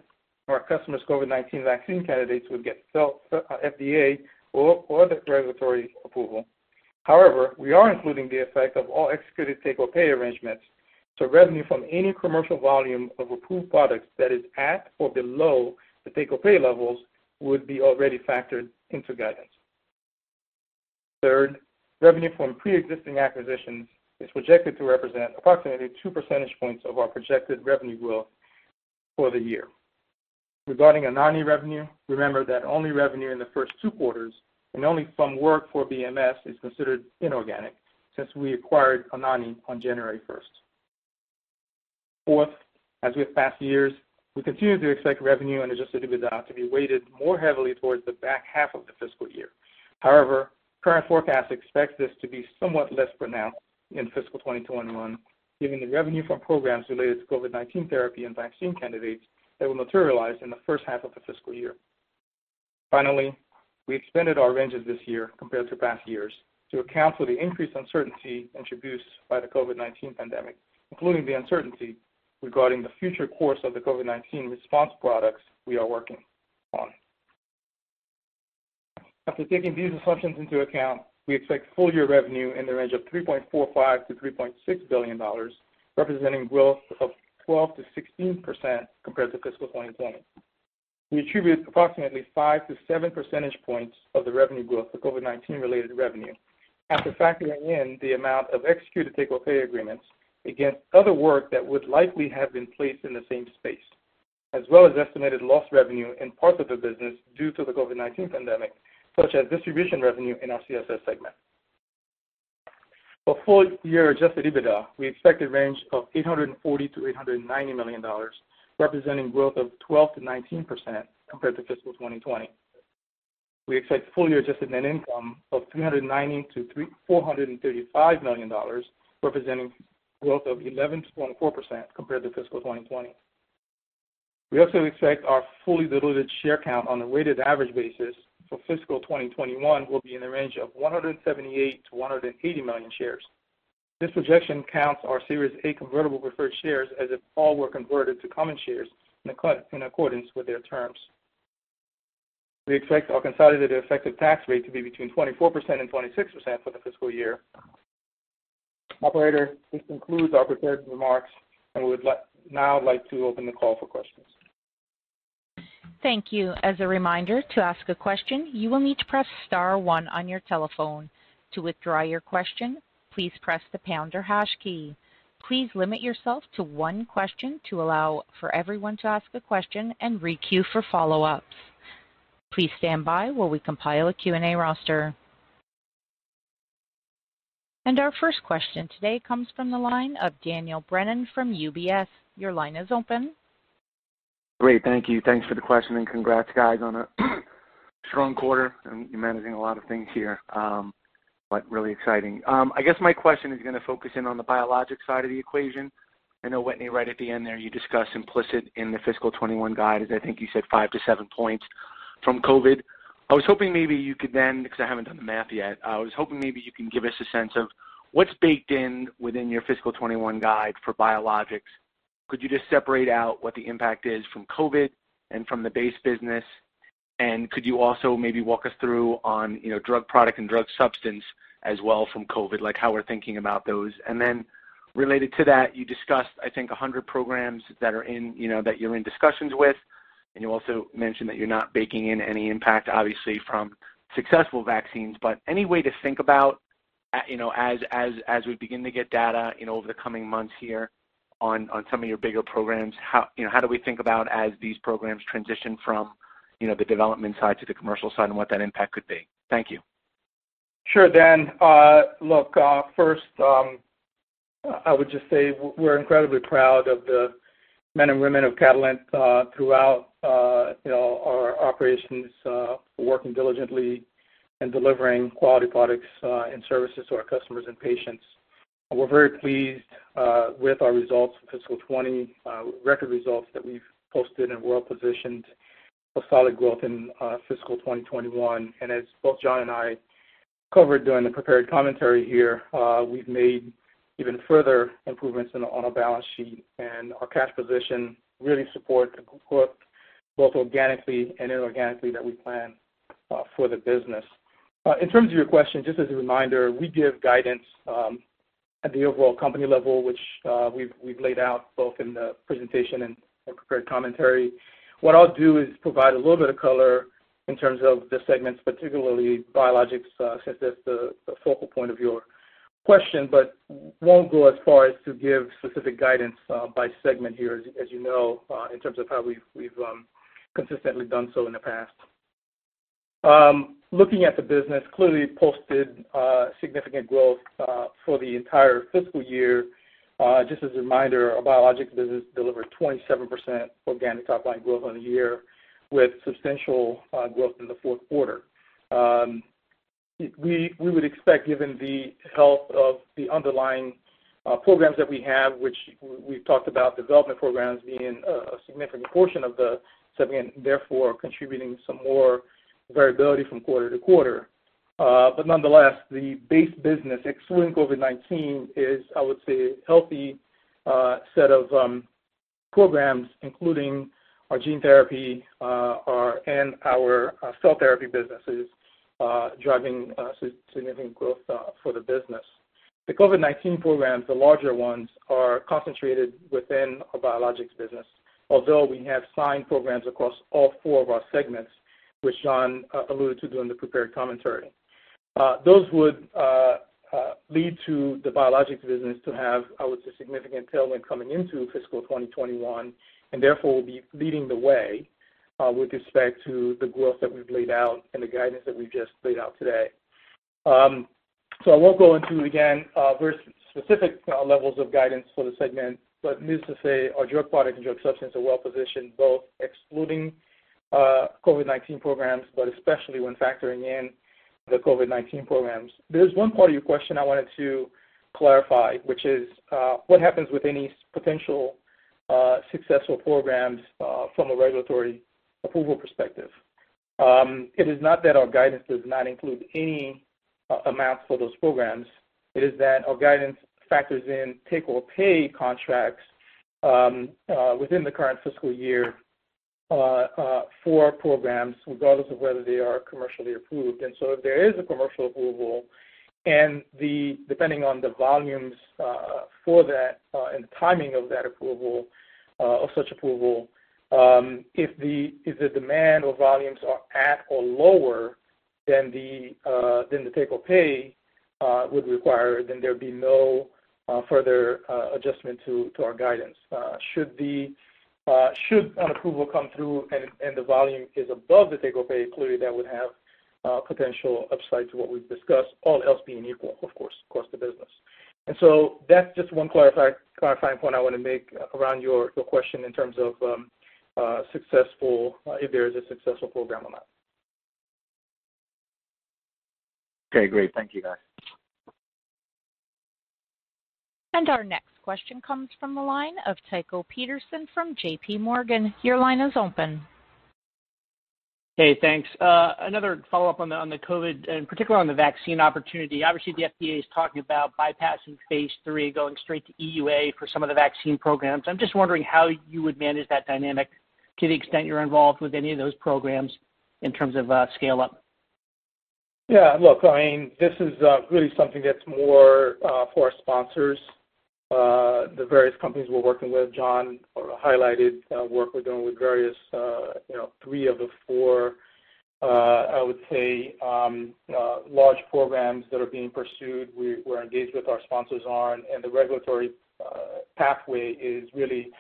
our customers' COVID-19 vaccine candidates would get FDA or other regulatory approval. However, we are including the effect of all executed take-or-pay arrangements, so revenue from any commercial volume of approved products that is at or below the take-or-pay levels would be already factored into guidance. Third, revenue from pre-existing acquisitions is projected to represent approximately 2 percentage points of our projected revenue growth for the year. Regarding Anagni revenue, remember that only revenue in the first two quarters and only from work for BMS is considered inorganic since we acquired Anagni on January 1. Fourth, as with past years, we continue to expect revenue and Adjusted EBITDA to be weighted more heavily towards the back half of the fiscal year. However, current forecasts expect this to be somewhat less pronounced in fiscal 2021, given the revenue from programs related to COVID-19 therapy and vaccine candidates that will materialize in the first half of the fiscal year. Finally, we expanded our ranges this year compared to past years to account for the increased uncertainty introduced by the COVID-19 pandemic, including the uncertainty regarding the future course of the COVID-19 response products we are working on. After taking these assumptions into account, we expect full-year revenue in the range of $3.45-$3.6 billion, representing growth of 12%-16% compared to fiscal 2020. We attribute approximately 5% to 7 percentage points of the revenue growth for COVID-19-related revenue after factoring in the amount of executed take-or-pay agreements against other work that would likely have been placed in the same space, as well as estimated lost revenue in parts of the business due to the COVID-19 pandemic, such as distribution revenue in our CSS segment. For full-year Adjusted EBITDA, we expect a range of $840-$890 million, representing growth of 12%-19% compared to fiscal 2020. We expect full-year Adjusted Net Income of $390-$435 million, representing growth of 11%-24% compared to fiscal 2020. We also expect our fully diluted share count on a weighted average basis for fiscal 2021 will be in the range of 178-180 million shares. This projection counts our Series A convertible preferred shares as if all were converted to common shares in accordance with their terms. We expect our consolidated effective tax rate to be between 24% and 26% for the fiscal year. Operator, this concludes our prepared remarks, and we would now like to open the call for questions. Thank you. As a reminder to ask a question, you will need to press star 1 on your telephone. To withdraw your question, please press the pound or hash key. Please limit yourself to one question to allow for everyone to ask a question and re-queue for follow-ups. Please stand by while we compile a Q&A roster. And our first question today comes from the line of Daniel Brennan from UBS. Your line is open. Great. Thank you. Thanks for the question, and congrats, guys, on a strong quarter, and you're managing a lot of things here. But really exciting. I guess my question is going to focus in on the biologics side of the equation. I know, Wetteny, right at the end there, you discussed implicit in the fiscal 2021 guide, as I think you said, 5-7 points from COVID. I was hoping maybe you could then, because I haven't done the math yet, I was hoping maybe you can give us a sense of what's baked in within your fiscal 2021 guide for biologics. Could you just separate out what the impact is from COVID and from the base business? And could you also maybe walk us through on drug product and drug substance as well from COVID, like how we're thinking about those? And then related to that, you discussed, I think, 100 programs that you're in discussions with. And you also mentioned that you're not baking in any impact, obviously, from successful vaccines. But any way to think about, as we begin to get data over the coming months here on some of your bigger programs, how do we think about as these programs transition from the development side to the commercial side and what that impact could be? Thank you. Sure, Dan. Look, first, I would just say we're incredibly proud of the men and women of Catalent throughout our operations, working diligently and delivering quality products and services to our customers and patients. We're very pleased with our results for fiscal 2020, record results that we've posted and were well-positioned for solid growth in fiscal 2021. As both John and I covered during the prepared commentary here, we've made even further improvements on our balance sheet, and our cash position really supports the growth both organically and inorganically that we plan for the business. In terms of your question, just as a reminder, we give guidance at the overall company level, which we've laid out both in the presentation and prepared commentary. What I'll do is provide a little bit of color in terms of the segments, particularly biologics, since that's the focal point of your question, but won't go as far as to give specific guidance by segment here, as you know, in terms of how we've consistently done so in the past. Looking at the business, clearly posted significant growth for the entire fiscal year. Just as a reminder, our biologics business delivered 27% organic top-line growth on the year, with substantial growth in the fourth quarter. We would expect, given the health of the underlying programs that we have, which we've talked about, development programs being a significant portion of the segment, therefore contributing some more variability from quarter to quarter. But nonetheless, the base business, excluding COVID-19, is, I would say, a healthy set of programs, including our gene therapy and our cell therapy businesses, driving significant growth for the business. The COVID-19 programs, the larger ones, are concentrated within our biologics business, although we have signed programs across all four of our segments, which John alluded to during the prepared commentary. Those would lead to the biologics business to have, I would say, significant tailwinds coming into fiscal 2021, and therefore will be leading the way with respect to the growth that we've laid out and the guidance that we've just laid out today, so I won't go into, again, very specific levels of guidance for the segment, but needless to say, our drug product and drug substance are well-positioned, both excluding COVID-19 programs, but especially when factoring in the COVID-19 programs. There's one part of your question I wanted to clarify, which is what happens with any potential successful programs from a regulatory approval perspective. It is not that our guidance does not include any amounts for those programs. It is that our guidance factors in take-or-pay contracts within the current fiscal year for programs, regardless of whether they are commercially approved. And so if there is a commercial approval, and depending on the volumes for that and the timing of that approval, if the demand or volumes are at or lower than the take-or-pay would require, then there would be no further adjustment to our guidance. Should an approval come through and the volume is above the take-or-pay, clearly that would have potential upside to what we've discussed, all else being equal, of course, across the business. And so that's just one clarifying point I want to make around your question in terms of successful, if there is a successful program or not. Okay. Great. Thank you, guys. And our next question comes from the line of Tycho Peterson from JPMorgan. Your line is open. Hey, thanks. Another follow-up on the COVID, and particularly on the vaccine opportunity. Obviously, the FDA is talking about bypassing Phase 3, going straight to EUA for some of the vaccine programs. I'm just wondering how you would manage that dynamic to the extent you're involved with any of those programs in terms of scale-up. Yeah. Look, I mean, this is really something that's more for our sponsors. The various companies we're working with, John highlighted work we're doing with various three of the four, I would say, large programs that are being pursued. We're engaged with our sponsors on, and the regulatory pathway is really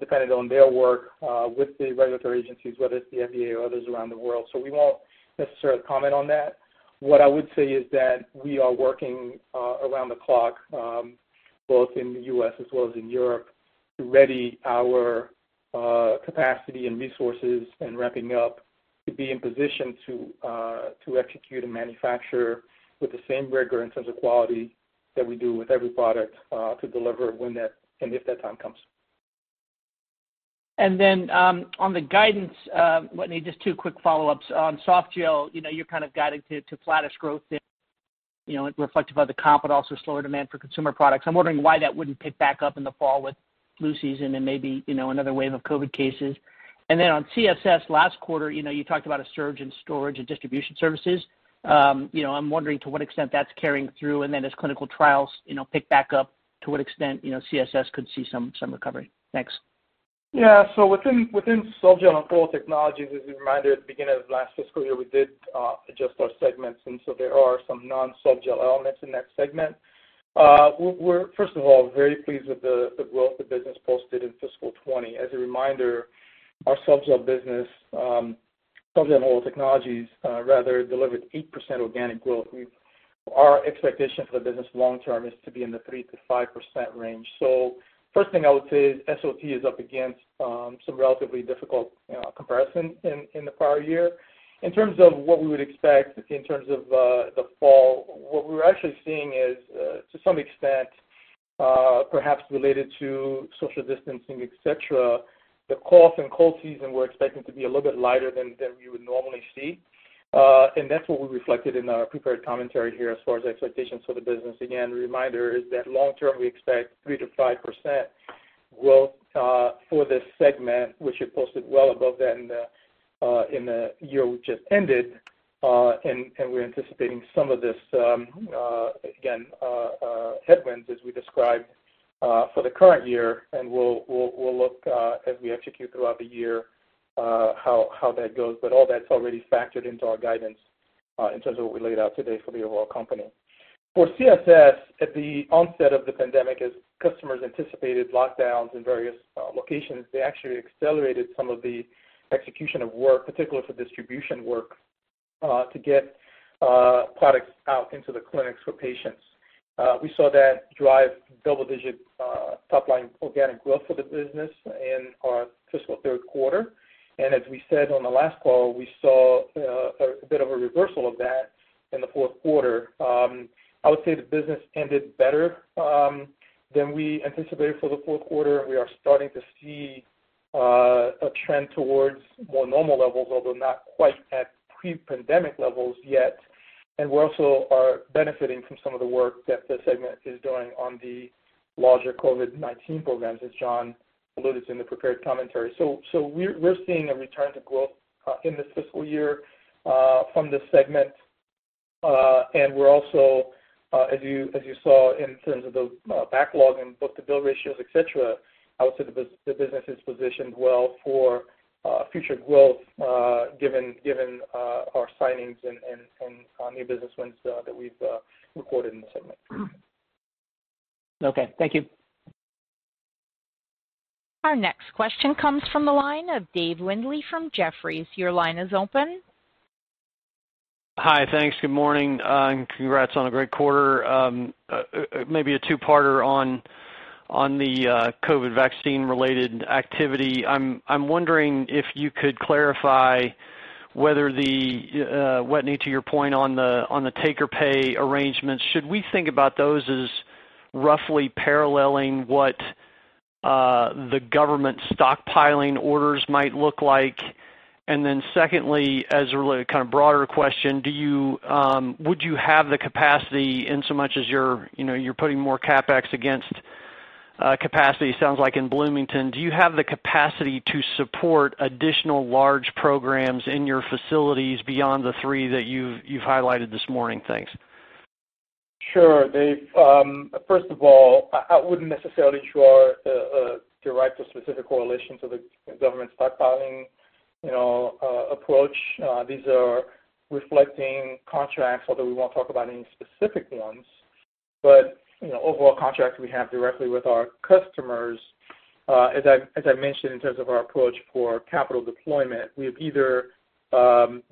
dependent on their work with the regulatory agencies, whether it's the FDA or others around the world. So we won't necessarily comment on that. What I would say is that we are working around the clock, both in the U.S. as well as in Europe, to ready our capacity and resources and ramping up to be in position to execute and manufacture with the same rigor in terms of quality that we do with every product to deliver when that and if that time comes. And then on the guidance, Wetteny, just two quick follow-ups. On Softgel, you're kind of guided to flattish growth reflective of the comp, but also slower demand for consumer products. I'm wondering why that wouldn't pick back up in the fall with flu season and maybe another wave of COVID cases. And then on CSS, last quarter, you talked about a surge in storage and distribution services. I'm wondering to what extent that's carrying through, and then as clinical trials pick back up, to what extent CSS could see some recovery. Thanks. Yeah. So within Softgel Technologies, as a reminder, at the beginning of last fiscal year, we did adjust our segments, and so there are some non-Softgel elements in that segment. We're, first of all, very pleased with the growth the business posted in fiscal 2020. As a reminder, our Softgel business, Softgel Technologies, rather, delivered 8% organic growth. Our expectation for the business long-term is to be in the 3%-5% range. So first thing I would say is SOT is up against some relatively difficult comparison in the prior year. In terms of what we would expect in terms of the fall, what we're actually seeing is, to some extent, perhaps related to social distancing, etc., the cough and cold season we're expecting to be a little bit lighter than we would normally see. And that's what we reflected in our prepared commentary here as far as expectations for the business. Again, the reminder is that long-term, we expect 3%-5% growth for this segment, which it posted well above that in the year we just ended. And we're anticipating some of this, again, headwinds, as we described, for the current year. And we'll look, as we execute throughout the year, how that goes. But all that's already factored into our guidance in terms of what we laid out today for the overall company. For CSS, at the onset of the pandemic, as customers anticipated lockdowns in various locations, they actually accelerated some of the execution of work, particularly for distribution work, to get products out into the clinics for patients. We saw that drive double-digit top-line organic growth for the business in our fiscal third quarter. And as we said on the last call, we saw a bit of a reversal of that in the fourth quarter. I would say the business ended better than we anticipated for the fourth quarter. We are starting to see a trend towards more normal levels, although not quite at pre-pandemic levels yet. And we also are benefiting from some of the work that the segment is doing on the larger COVID-19 programs, as John alluded to in the prepared commentary. So we're seeing a return to growth in this fiscal year from the segment. And we're also, as you saw in terms of the backlog and both the bill ratios, etc., I would say the business is positioned well for future growth given our signings and new business wins that we've recorded in the segment. Okay. Thank you. Our next question comes from the line of Dave Windley from Jefferies. Your line is open. Hi. Thanks. Good morning. And congrats on a great quarter. Maybe a two-parter on the COVID vaccine-related activity. I'm wondering if you could clarify whether the, Wetteny to your point on the take-or-pay arrangements, should we think about those as roughly paralleling what the government stockpiling orders might look like? And then secondly, as a kind of broader question, would you have the capacity, insomuch as you're putting more CapEx against capacity, sounds like in Bloomington, do you have the capacity to support additional large programs in your facilities beyond the three that you've highlighted this morning? Thanks. Sure. Dave, first of all, I wouldn't necessarily draw a direct or specific correlation to the government stockpiling approach. These are reflecting contracts, although we won't talk about any specific ones. But overall contracts we have directly with our customers, as I mentioned, in terms of our approach for capital deployment, we've either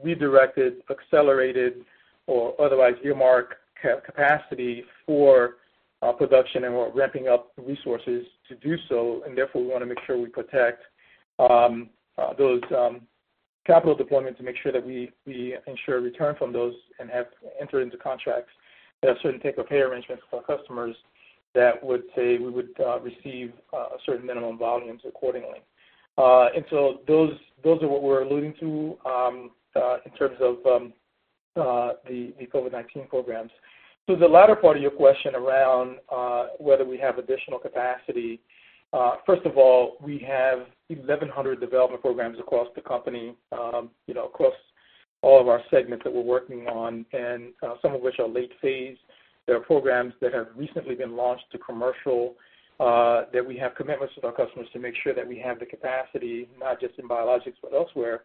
redirected, accelerated, or otherwise earmarked capacity for production and we're ramping up resources to do so. And therefore, we want to make sure we protect those capital deployments to make sure that we ensure return from those and have entered into contracts that have certain take-or-pay arrangements for our customers that would say we would receive a certain minimum volume accordingly. And so those are what we're alluding to in terms of the COVID-19 programs. So the latter part of your question around whether we have additional capacity, first of all, we have 1,100 development programs across the company, across all of our segments that we're working on, and some of which are late phase. There are programs that have recently been launched to commercial that we have commitments with our customers to make sure that we have the capacity, not just in biologics, but elsewhere,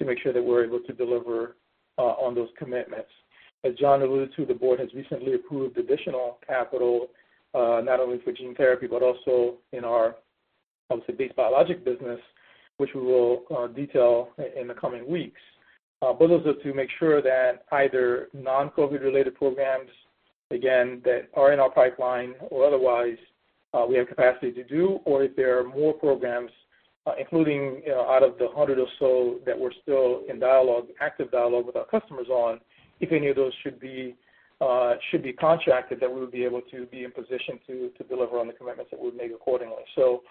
to make sure that we're able to deliver on those commitments. As John alluded to, the board has recently approved additional capital, not only for gene therapy, but also in our, I would say, base biologic business, which we will detail in the coming weeks. But those are to make sure that either non-COVID-related programs, again, that are in our pipeline or otherwise, we have capacity to do, or if there are more programs, including out of the hundred or so that we're still in dialogue, active dialogue with our customers on, if any of those should be contracted, that we would be able to be in position to deliver on the commitments that we would make accordingly. So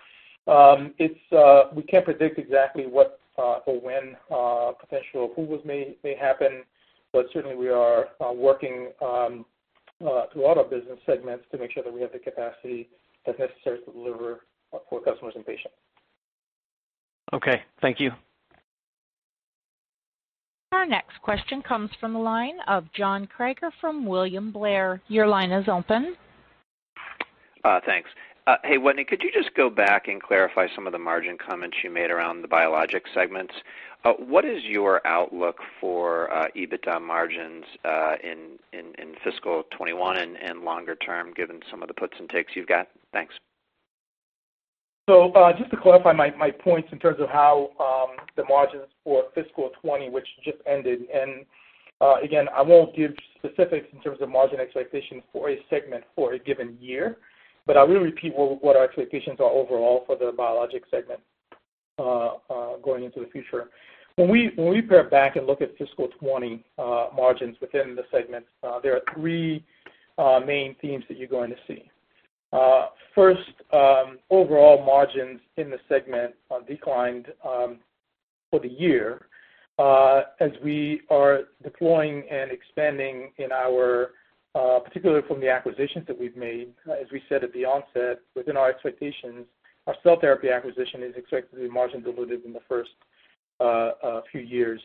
we can't predict exactly what or when potential approvals may happen, but certainly, we are working throughout our business segments to make sure that we have the capacity that's necessary to deliver for customers and patients. Okay. Thank you. Our next question comes from the line of John Kreger from William Blair. Your line is open. Thanks. Hey, Wetteny, could you just go back and clarify some of the margin comments you made around the biologics segments? What is your outlook for EBITDA margins in fiscal 2021 and longer term, given some of the puts and takes you've got? Thanks. So just to clarify my points in terms of how the margins for fiscal 2020, which just ended, and again, I won't give specifics in terms of margin expectations for a segment for a given year, but I will repeat what our expectations are overall for the biologics segment going into the future. When we pare back and look at fiscal 2020 margins within the segments, there are three main themes that you're going to see. First, overall margins in the segment declined for the year. As we are deploying and expanding in our, particularly from the acquisitions that we've made, as we said at the onset, within our expectations, our cell therapy acquisition is expected to be margin-diluted in the first few years.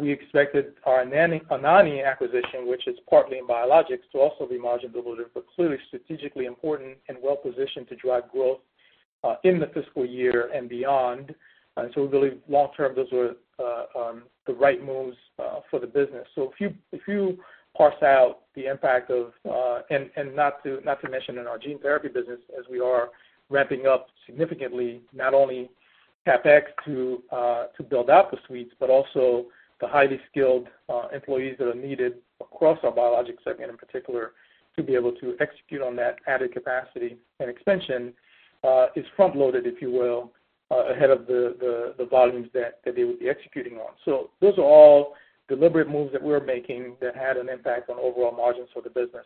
We expected our Anagni acquisition, which is partly in biologics, to also be margin-diluted, but clearly strategically important and well-positioned to drive growth in the fiscal year and beyond. And so we believe long-term, those were the right moves for the business. So if you parse out the impact of, and not to mention in our gene therapy business, as we are ramping up significantly, not only CapEx to build out the suites, but also the highly skilled employees that are needed across our biologics segment in particular to be able to execute on that added capacity and expansion is front-loaded, if you will, ahead of the volumes that they would be executing on, so those are all deliberate moves that we're making that had an impact on overall margins for the business.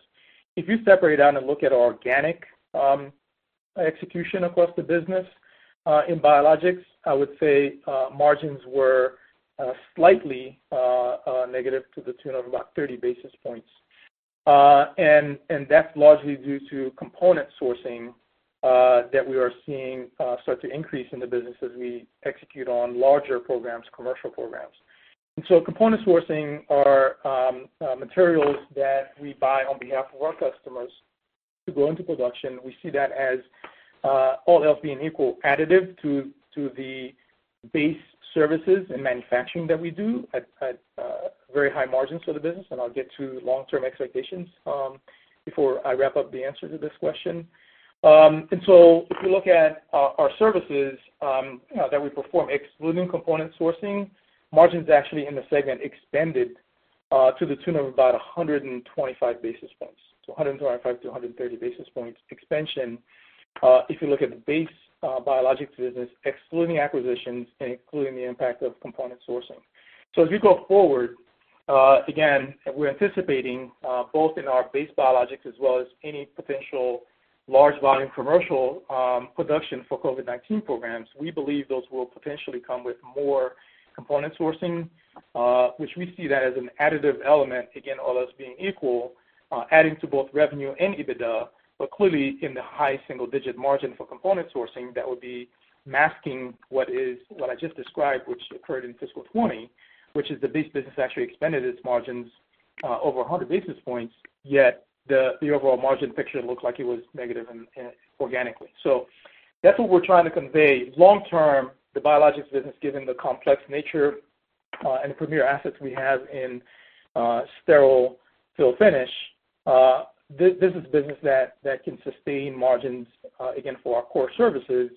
If you separate out and look at our organic execution across the business, in biologics, I would say margins were slightly negative to the tune of about 30 basis points, and that's largely due to component sourcing that we are seeing start to increase in the business as we execute on larger programs, commercial programs. And so component sourcing are materials that we buy on behalf of our customers to go into production. We see that as, all else being equal, additive to the base services and manufacturing that we do at very high margins for the business. And I'll get to long-term expectations before I wrap up the answer to this question. And so if you look at our services that we perform, excluding component sourcing, margins actually in the segment expanded to the tune of about 125 basis points. So 125-130 basis points expansion if you look at the base biologic business, excluding acquisitions and including the impact of component sourcing. So as we go forward, again, we're anticipating both in our base biologics as well as any potential large-volume commercial production for COVID-19 programs. We believe those will potentially come with more component sourcing, which we see that as an additive element, again, all else being equal, adding to both revenue and EBITDA, but clearly in the high single-digit margin for component sourcing that would be masking what I just described, which occurred in fiscal 2020, which is the base business actually expanded its margins over 100 basis points, yet the overall margin picture looked like it was negative organically. So that's what we're trying to convey. Long-term, the biologics business, given the complex nature and the premier assets we have in sterile fill-finish, this is a business that can sustain margins, again, for our core services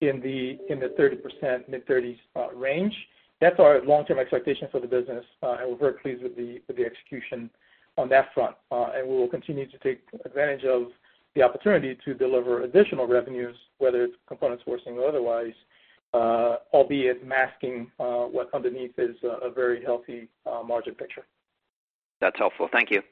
in the 30%-mid-30s range. That's our long-term expectation for the business, and we're very pleased with the execution on that front. We will continue to take advantage of the opportunity to deliver additional revenues, whether it's component sourcing or otherwise, albeit masking what underneath is a very healthy margin picture. That's helpful. Thank you.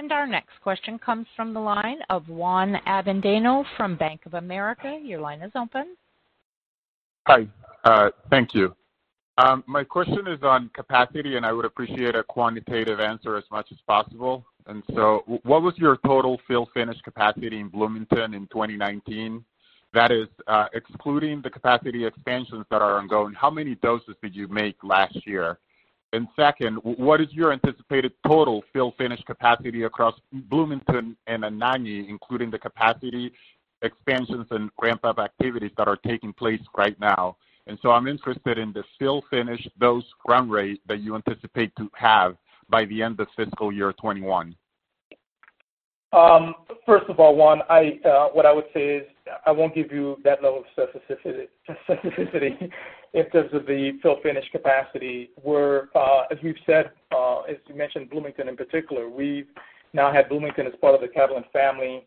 And our next question comes from the line of Juan Avendano from Bank of America. Your line is open. Hi. Thank you. My question is on capacity, and I would appreciate a quantitative answer as much as possible. And so what was your total fill-finish capacity in Bloomington in 2019? That is, excluding the capacity expansions that are ongoing, how many doses did you make last year? And second, what is your anticipated total fill-finish capacity across Bloomington and Anagni, including the capacity expansions and ramp-up activities that are taking place right now? And so I'm interested in the fill-finish dose run rate that you anticipate to have by the end of fiscal year 2021. First of all, Juan, what I would say is I won't give you that level of specificity in terms of the fill-finish capacity. As we've said, as you mentioned, Bloomington in particular, we've now had Bloomington as part of the Catalent family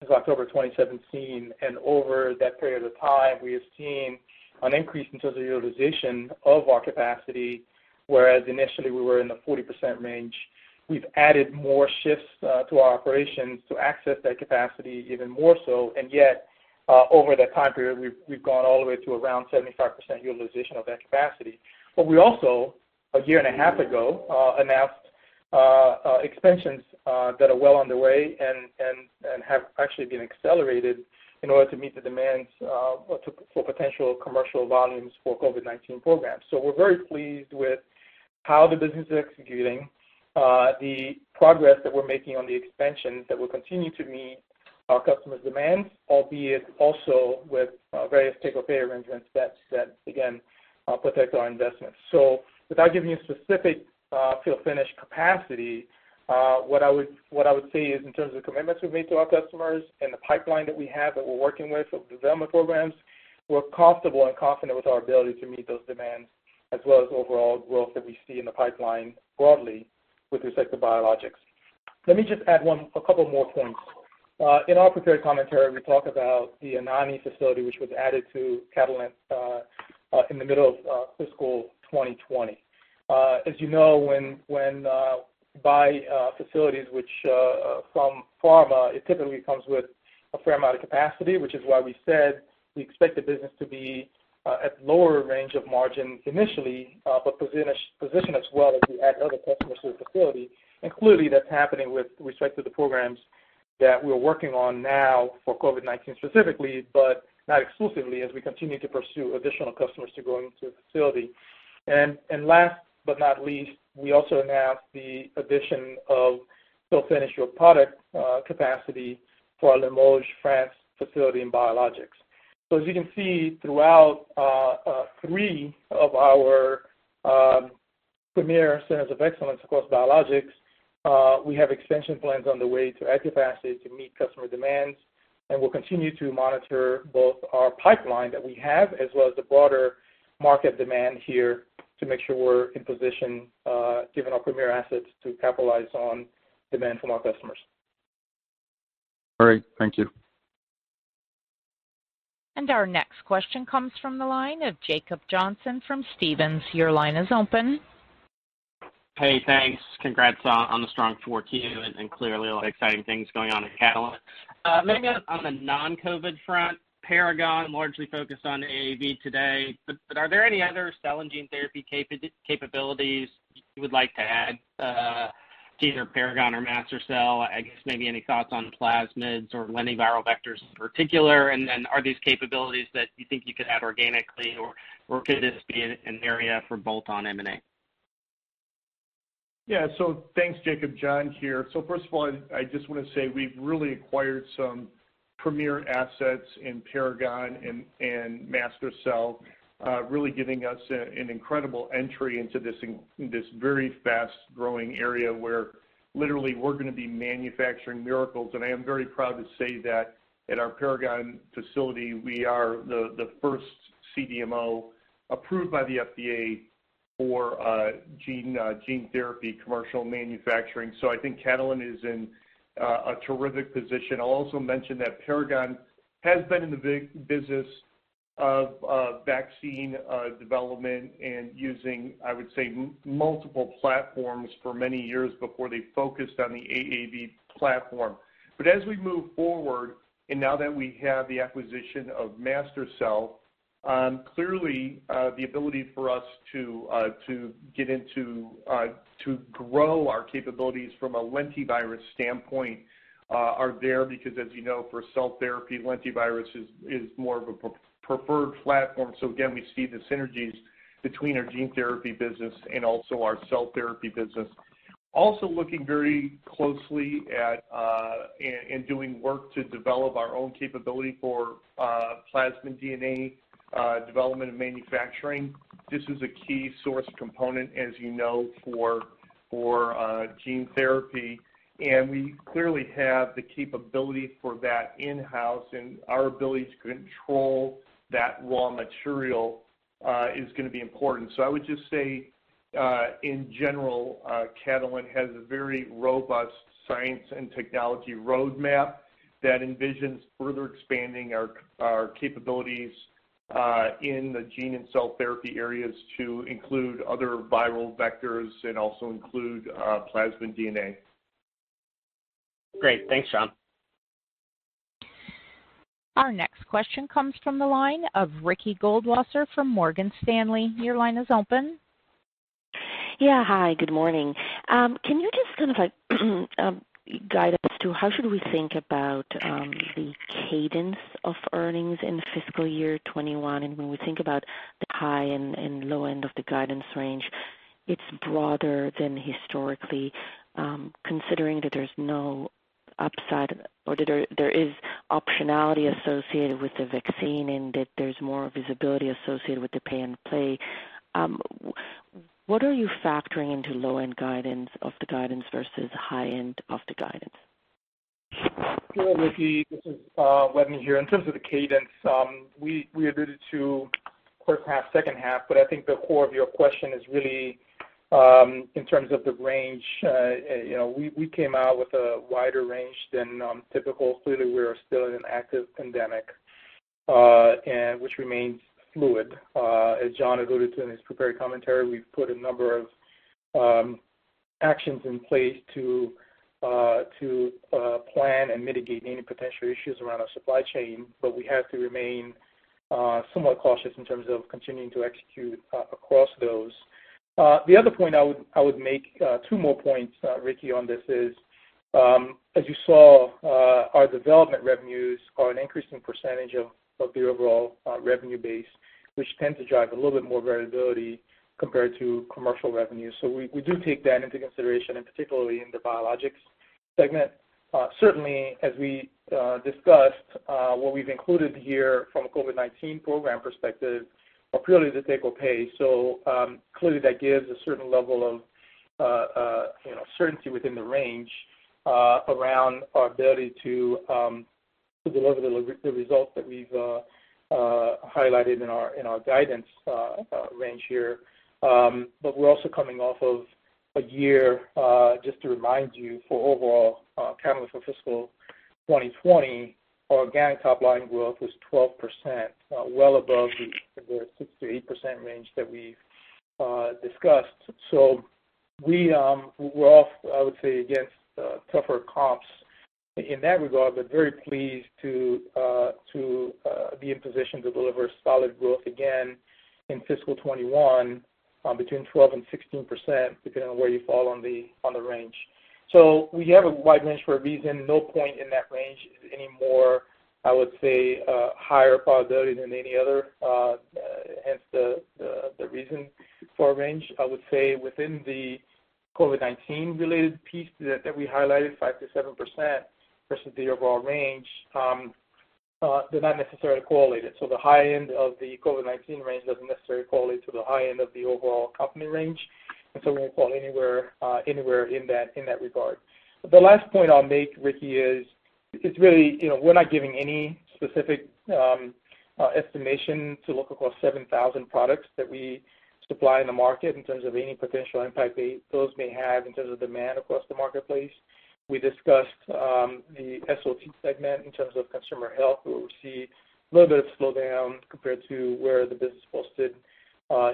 since October 2017. And over that period of time, we have seen an increase in terms of utilization of our capacity, whereas initially we were in the 40% range. We've added more shifts to our operations to access that capacity even more so. And yet, over that time period, we've gone all the way to around 75% utilization of that capacity. But we also, a year and a half ago, announced expansions that are well underway and have actually been accelerated in order to meet the demands for potential commercial volumes for COVID-19 programs. So we're very pleased with how the business is executing, the progress that we're making on the expansions that will continue to meet our customers' demands, albeit also with various take-or-pay arrangements that, again, protect our investments. So without giving you specific fill-finish capacity, what I would say is in terms of commitments we've made to our customers and the pipeline that we have that we're working with of development programs, we're comfortable and confident with our ability to meet those demands as well as overall growth that we see in the pipeline broadly with respect to biologics. Let me just add a couple more points. In our prepared commentary, we talk about the Anagni facility, which was added to Catalent in the middle of fiscal 2020. As you know, when we buy facilities, which from pharma, it typically comes with a fair amount of capacity, which is why we said we expect the business to be at lower range of margin initially, but position as well as we add other customers to the facility, and clearly, that's happening with respect to the programs that we're working on now for COVID-19 specifically, but not exclusively as we continue to pursue additional customers to go into the facility, and last but not least, we also announced the addition of fill-finish drug product capacity for our Limoges, France facility in biologics. So as you can see, throughout three of our premier centers of excellence across biologics, we have expansion plans on the way to add capacity to meet customer demands. And we'll continue to monitor both our pipeline that we have as well as the broader market demand here to make sure we're in position, given our premier assets, to capitalize on demand from our customers. All right. Thank you. And our next question comes from the line of Jacob Johnson from Stephens. Your line is open. Hey, thanks. Congrats on the strong Q4 and clearly exciting things going on at Catalent. Maybe on the non-COVID front, Paragon largely focused on AAV today. But are there any other cell and gene therapy capabilities you would like to add to either Paragon or MasterCell? I guess maybe any thoughts on plasmids or lentiviral vectors in particular? And then are these capabilities that you think you could add organically, or could this be an area for bolt-on M&A? Yeah. So thanks, Jacob. John here. So first of all, I just want to say we've really acquired some premier assets in Paragon and MasterCell, really giving us an incredible entry into this very fast-growing area where literally we're going to be manufacturing miracles. And I am very proud to say that at our Paragon facility, we are the first CDMO approved by the FDA for gene therapy commercial manufacturing. So I think Catalent is in a terrific position. I'll also mention that Paragon has been in the business of vaccine development and using, I would say, multiple platforms for many years before they focused on the AAV platform. But as we move forward, and now that we have the acquisition of MasterCell, clearly, the ability for us to get into to grow our capabilities from a lentivirus standpoint are there because, as you know, for cell therapy, lentivirus is more of a preferred platform. So again, we see the synergies between our gene therapy business and also our cell therapy business. Also, looking very closely at and doing work to develop our own capability for plasmid DNA development and manufacturing. This is a key source component, as you know, for gene therapy. And we clearly have the capability for that in-house, and our ability to control that raw material is going to be important. So I would just say, in general, Catalent has a very robust science and technology roadmap that envisions further expanding our capabilities in the gene and cell therapy areas to include other viral vectors and also include plasmid DNA. Great. Thanks, John. Our next question comes from the line of Ricky Goldwasser from Morgan Stanley. Your line is open. Yeah. Hi. Good morning. Can you just kind of guide us to how should we think about the cadence of earnings in fiscal year 2021? And when we think about the high and low end of the guidance range, it's broader than historically, considering that there's no upside or that there is optionality associated with the vaccine and that there's more visibility associated with the take-or-pay. What are you factoring into low-end guidance of the guidance versus high-end of the guidance? Sure, Ricky. This is Wetteny here. In terms of the cadence we alluded to, of course, half, second half, but I think the core of your question is really in terms of the range. We came out with a wider range than typical. Clearly, we are still in an active pandemic, which remains fluid. As John alluded to in his prepared commentary, we've put a number of actions in place to plan and mitigate any potential issues around our supply chain, but we have to remain somewhat cautious in terms of continuing to execute across those. The other point I would make, two more points, Ricky, on this is, as you saw, our development revenues are an increasing percentage of the overall revenue base, which tends to drive a little bit more variability compared to commercial revenue. So we do take that into consideration, and particularly in the biologics segment. Certainly, as we discussed, what we've included here from a COVID-19 program perspective are purely the take-or-pay. So clearly, that gives a certain level of certainty within the range around our ability to deliver the results that we've highlighted in our guidance range here. But we're also coming off of a year, just to remind you, for overall Catalent for fiscal 2020, our organic top-line growth was 12%, well above the 6%-8% range that we've discussed. So we're off, I would say, against tougher comps in that regard, but very pleased to be in position to deliver solid growth again in fiscal 2021, between 12%-16%, depending on where you fall on the range. So we have a wide range for a reason. No point in that range is any more, I would say, higher probability than any other, hence the reason for our range. I would say within the COVID-19-related piece that we highlighted, 5%-7% versus the overall range, they're not necessarily correlated. So the high end of the COVID-19 range doesn't necessarily correlate to the high end of the overall company range, and so we won't fall anywhere in that regard. The last point I'll make, Ricky, is it's really we're not giving any specific estimation to look across 7,000 products that we supply in the market in terms of any potential impact those may have in terms of demand across the marketplace. We discussed the SOT segment in terms of consumer health. We will see a little bit of slowdown compared to where the business posted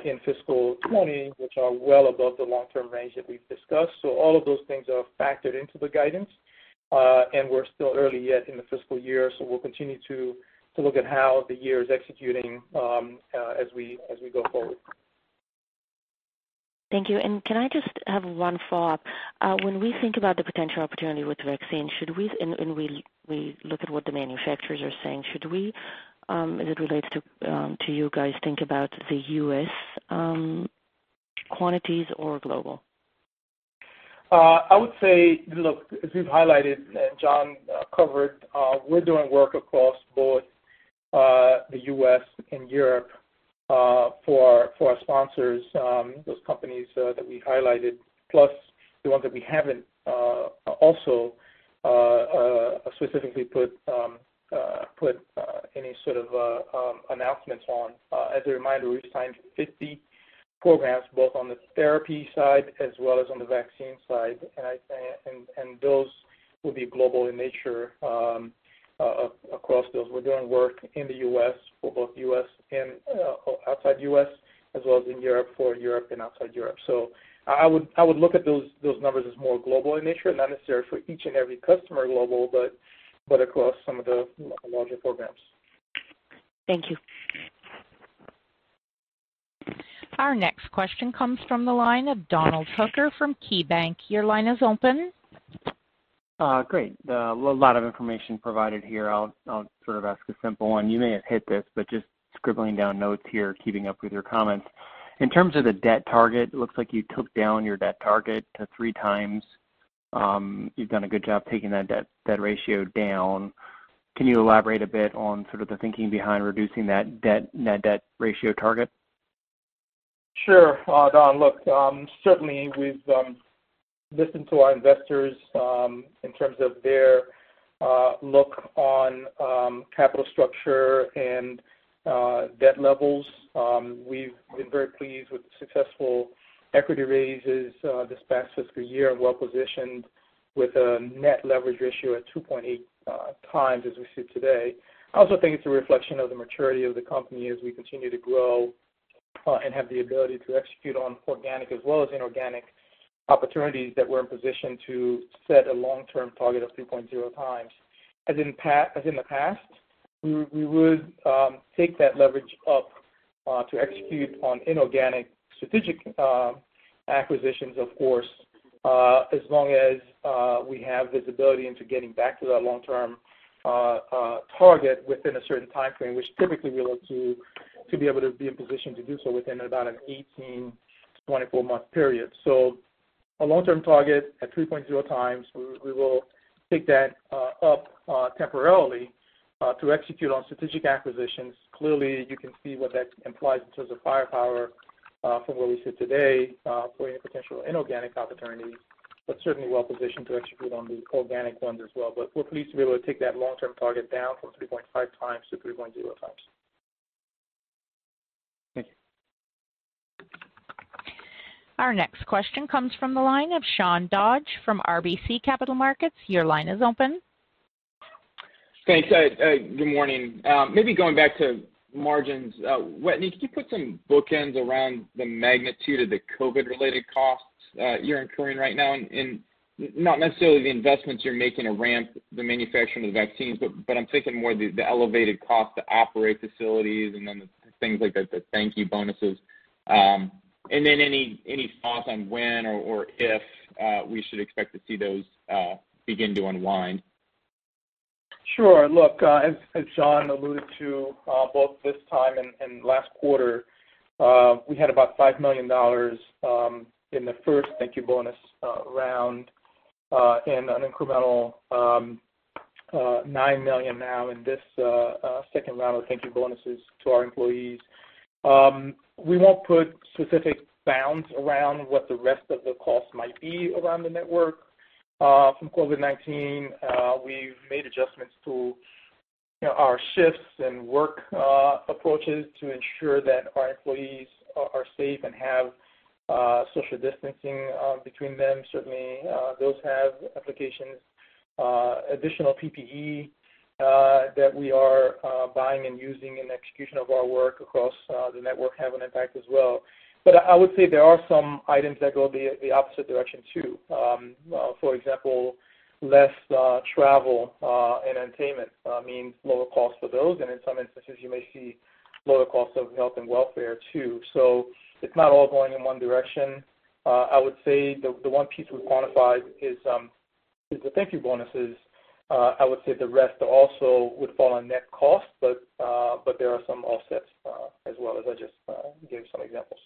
in fiscal 2020, which are well above the long-term range that we've discussed, so all of those things are factored into the guidance, and we're still early yet in the fiscal year. So we'll continue to look at how the year is executing as we go forward. Thank you. And can I just have one follow-up? When we think about the potential opportunity with vaccine, should we, and we look at what the manufacturers are saying, should we, as it relates to you guys, think about the U.S. quantities or global? I would say, look, as we've highlighted and John covered, we're doing work across both the U.S. and Europe for our sponsors, those companies that we highlighted, plus the ones that we haven't also specifically put any sort of announcements on. As a reminder, we've signed 50 programs, both on the therapy side as well as on the vaccine side. And those will be global in nature across those. We're doing work in the U.S. for both U.S. and outside the U.S., as well as in Europe for Europe and outside Europe. So I would look at those numbers as more global in nature, not necessarily for each and every customer global, but across some of the larger programs. Thank you. Our next question comes from the line of Donald Hooker from KeyBank. Your line is open. Great. A lot of information provided here. I'll sort of ask a simple one. You may have hit this, but just scribbling down notes here, keeping up with your comments. In terms of the debt target, it looks like you took down your debt target to three times. You've done a good job taking that debt ratio down. Can you elaborate a bit on sort of the thinking behind reducing that debt ratio target? Sure. Donald, look, certainly we've listened to our investors in terms of their look on capital structure and debt levels. We've been very pleased with successful equity raises this past fiscal year and well-positioned with a net leverage ratio at 2.8 times as we see today. I also think it's a reflection of the maturity of the company as we continue to grow and have the ability to execute on organic as well as inorganic opportunities that we're in position to set a long-term target of 3.0 times. As in the past, we would take that leverage up to execute on inorganic strategic acquisitions, of course, as long as we have visibility into getting back to that long-term target within a certain timeframe, which typically we look to be able to be in position to do so within about an 18-24-month period, so a long-term target at 3.0 times, we will take that up temporarily to execute on strategic acquisitions. Clearly, you can see what that implies in terms of firepower from where we sit today for any potential inorganic opportunities, but certainly well-positioned to execute on the organic ones as well. But we're pleased to be able to take that long-term target down from 3.5 times to 3.0 times. Thank you. Our next question comes from the line of Sean Dodge from RBC Capital Markets. Your line is open. Thanks. Good morning. Maybe going back to margins, Wetteny, could you put some bookends around the magnitude of the COVID-related costs you're incurring right now? And not necessarily the investments you're making to ramp the manufacturing of the vaccines, but I'm thinking more of the elevated cost to operate facilities and then the things like the thank-you bonuses. And then any thoughts on when or if we should expect to see those begin to unwind? Sure.Look, as John alluded to, both this time and last quarter, we had about $5 million in the first thank-you bonus round and an incremental $9 million now in this second round of thank-you bonuses to our employees. We won't put specific bounds around what the rest of the cost might be around the network. From COVID-19, we've made adjustments to our shifts and work approaches to ensure that our employees are safe and have social distancing between them. Certainly, those have implications. Additional PPE that we are buying and using in the execution of our work across the network have an impact as well. But I would say there are some items that go the opposite direction too. For example, less travel and entertainment means lower costs for those. And in some instances, you may see lower costs of health and welfare too. So it's not all going in one direction. I would say the one piece we quantified is the thank-you bonuses. I would say the rest also would fall on net cost, but there are some offsets as well, as I just gave some examples.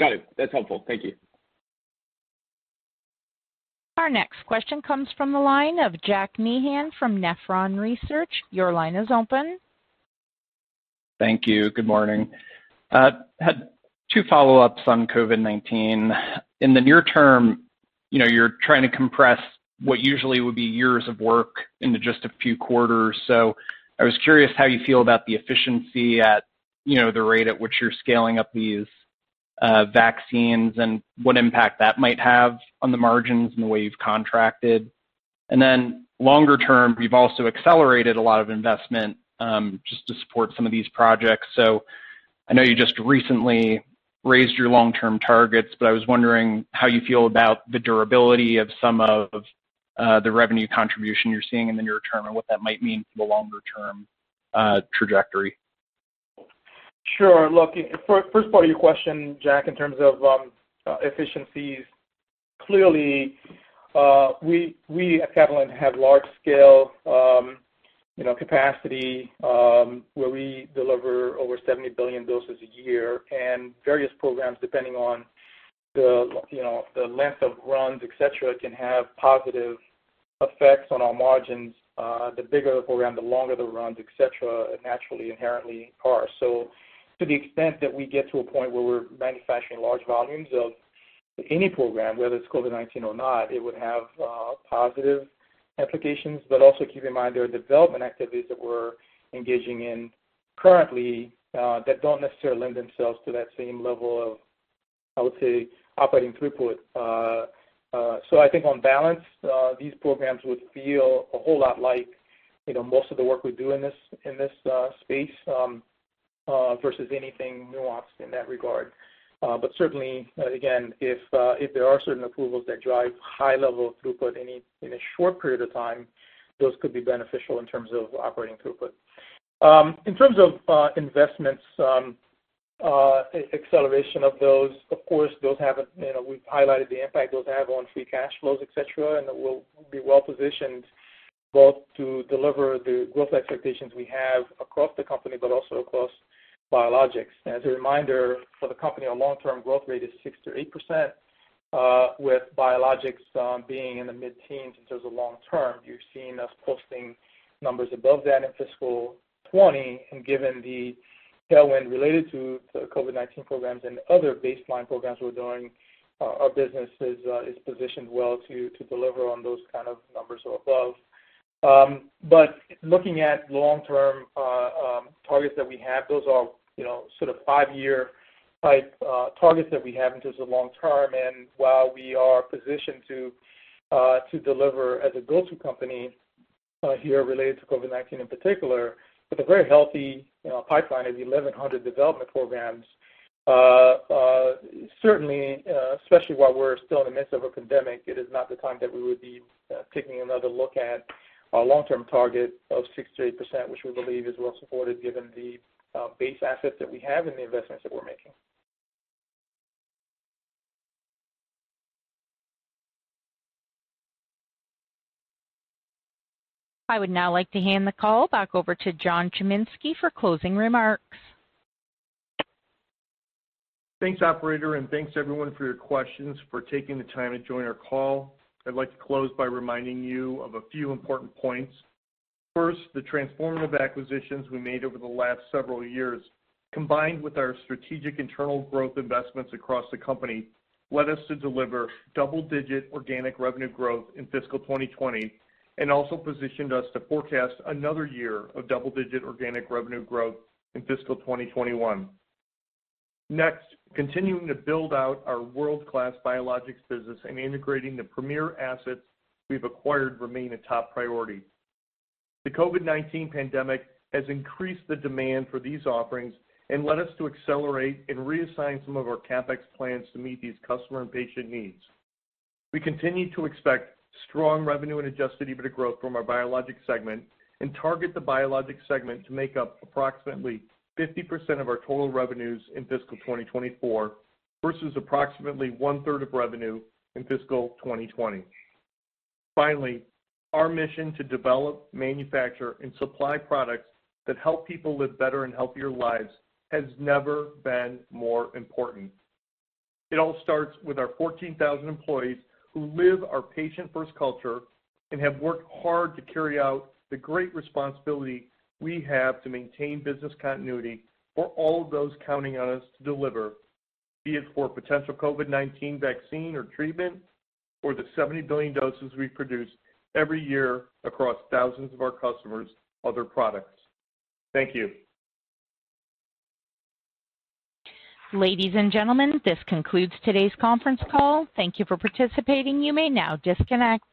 Got it. That's helpful. Thank you. Our next question comes from the line of Jack Meehan from Nephron Research. Your line is open. Thank you. Good morning. I had two follow-ups on COVID-19. In the near term, you're trying to compress what usually would be years of work into just a few quarters. So I was curious how you feel about the efficiency at the rate at which you're scaling up these vaccines and what impact that might have on the margins and the way you've contracted. And then longer term, you've also accelerated a lot of investment just to support some of these projects. So I know you just recently raised your long-term targets, but I was wondering how you feel about the durability of some of the revenue contribution you're seeing in the near term and what that might mean for the longer-term trajectory. Sure. Look, first part of your question, Jack, in terms of efficiencies, clearly, we at Catalent have large-scale capacity where we deliver over 70 billion doses a year. And various programs, depending on the length of runs, etc., can have positive effects on our margins. The bigger the program, the longer the runs, etc., naturally, inherently are. So to the extent that we get to a point where we're manufacturing large volumes of any program, whether it's COVID-19 or not, it would have positive implications. But also keep in mind there are development activities that we're engaging in currently that don't necessarily lend themselves to that same level of, I would say, operating throughput. So I think on balance, these programs would feel a whole lot like most of the work we do in this space versus anything nuanced in that regard. But certainly, again, if there are certain approvals that drive high-level throughput in a short period of time, those could be beneficial in terms of operating throughput. In terms of investments, acceleration of those, of course, we've highlighted the impact those have on free cash flows, etc., and we'll be well-positioned both to deliver the growth expectations we have across the company, but also across biologics. As a reminder, for the company, our long-term growth rate is 6%-8%, with biologics being in the mid-teens in terms of long-term. You've seen us posting numbers above that in fiscal 2020. And given the tailwind related to the COVID-19 programs and other baseline programs we're doing, our business is positioned well to deliver on those kind of numbers or above. But looking at long-term targets that we have, those are sort of five-year-type targets that we have in terms of long-term. And while we are positioned to deliver as a go-to company here related to COVID-19 in particular, with a very healthy pipeline of 1,100 development programs, certainly, especially while we're still in the midst of a pandemic, it is not the time that we would be taking another look at our long-term target of 6%-8%, which we believe is well-supported given the base assets that we have and the investments that we're making. I would now like to hand the call back over to John Chiminski for closing remarks. Thanks, operator, and thanks, everyone, for your questions, for taking the time to join our call. I'd like to close by reminding you of a few important points. First, the transformative acquisitions we made over the last several years, combined with our strategic internal growth investments across the company, led us to deliver double-digit organic revenue growth in fiscal 2020 and also positioned us to forecast another year of double-digit organic revenue growth in fiscal 2021. Next, continuing to build out our world-class biologics business and integrating the premier assets we've acquired remain a top priority. The COVID-19 pandemic has increased the demand for these offerings and led us to accelerate and reassign some of our CapEx plans to meet these customer and patient needs. We continue to expect strong revenue and Adjusted EBITDA growth from our biologics segment and target the biologics segment to make up approximately 50% of our total revenues in fiscal 2024 versus approximately one-third of revenue in fiscal 2020. Finally, our mission to develop, manufacture, and supply products that help people live better and healthier lives has never been more important. It all starts with our 14,000 employees who live our patient-first culture and have worked hard to carry out the great responsibility we have to maintain business continuity for all of those counting on us to deliver, be it for potential COVID-19 vaccine or treatment or the 70 billion doses we produce every year across thousands of our customers' other products. Thank you. Ladies and gentlemen, this concludes today's conference call. Thank you for participating. You may now disconnect.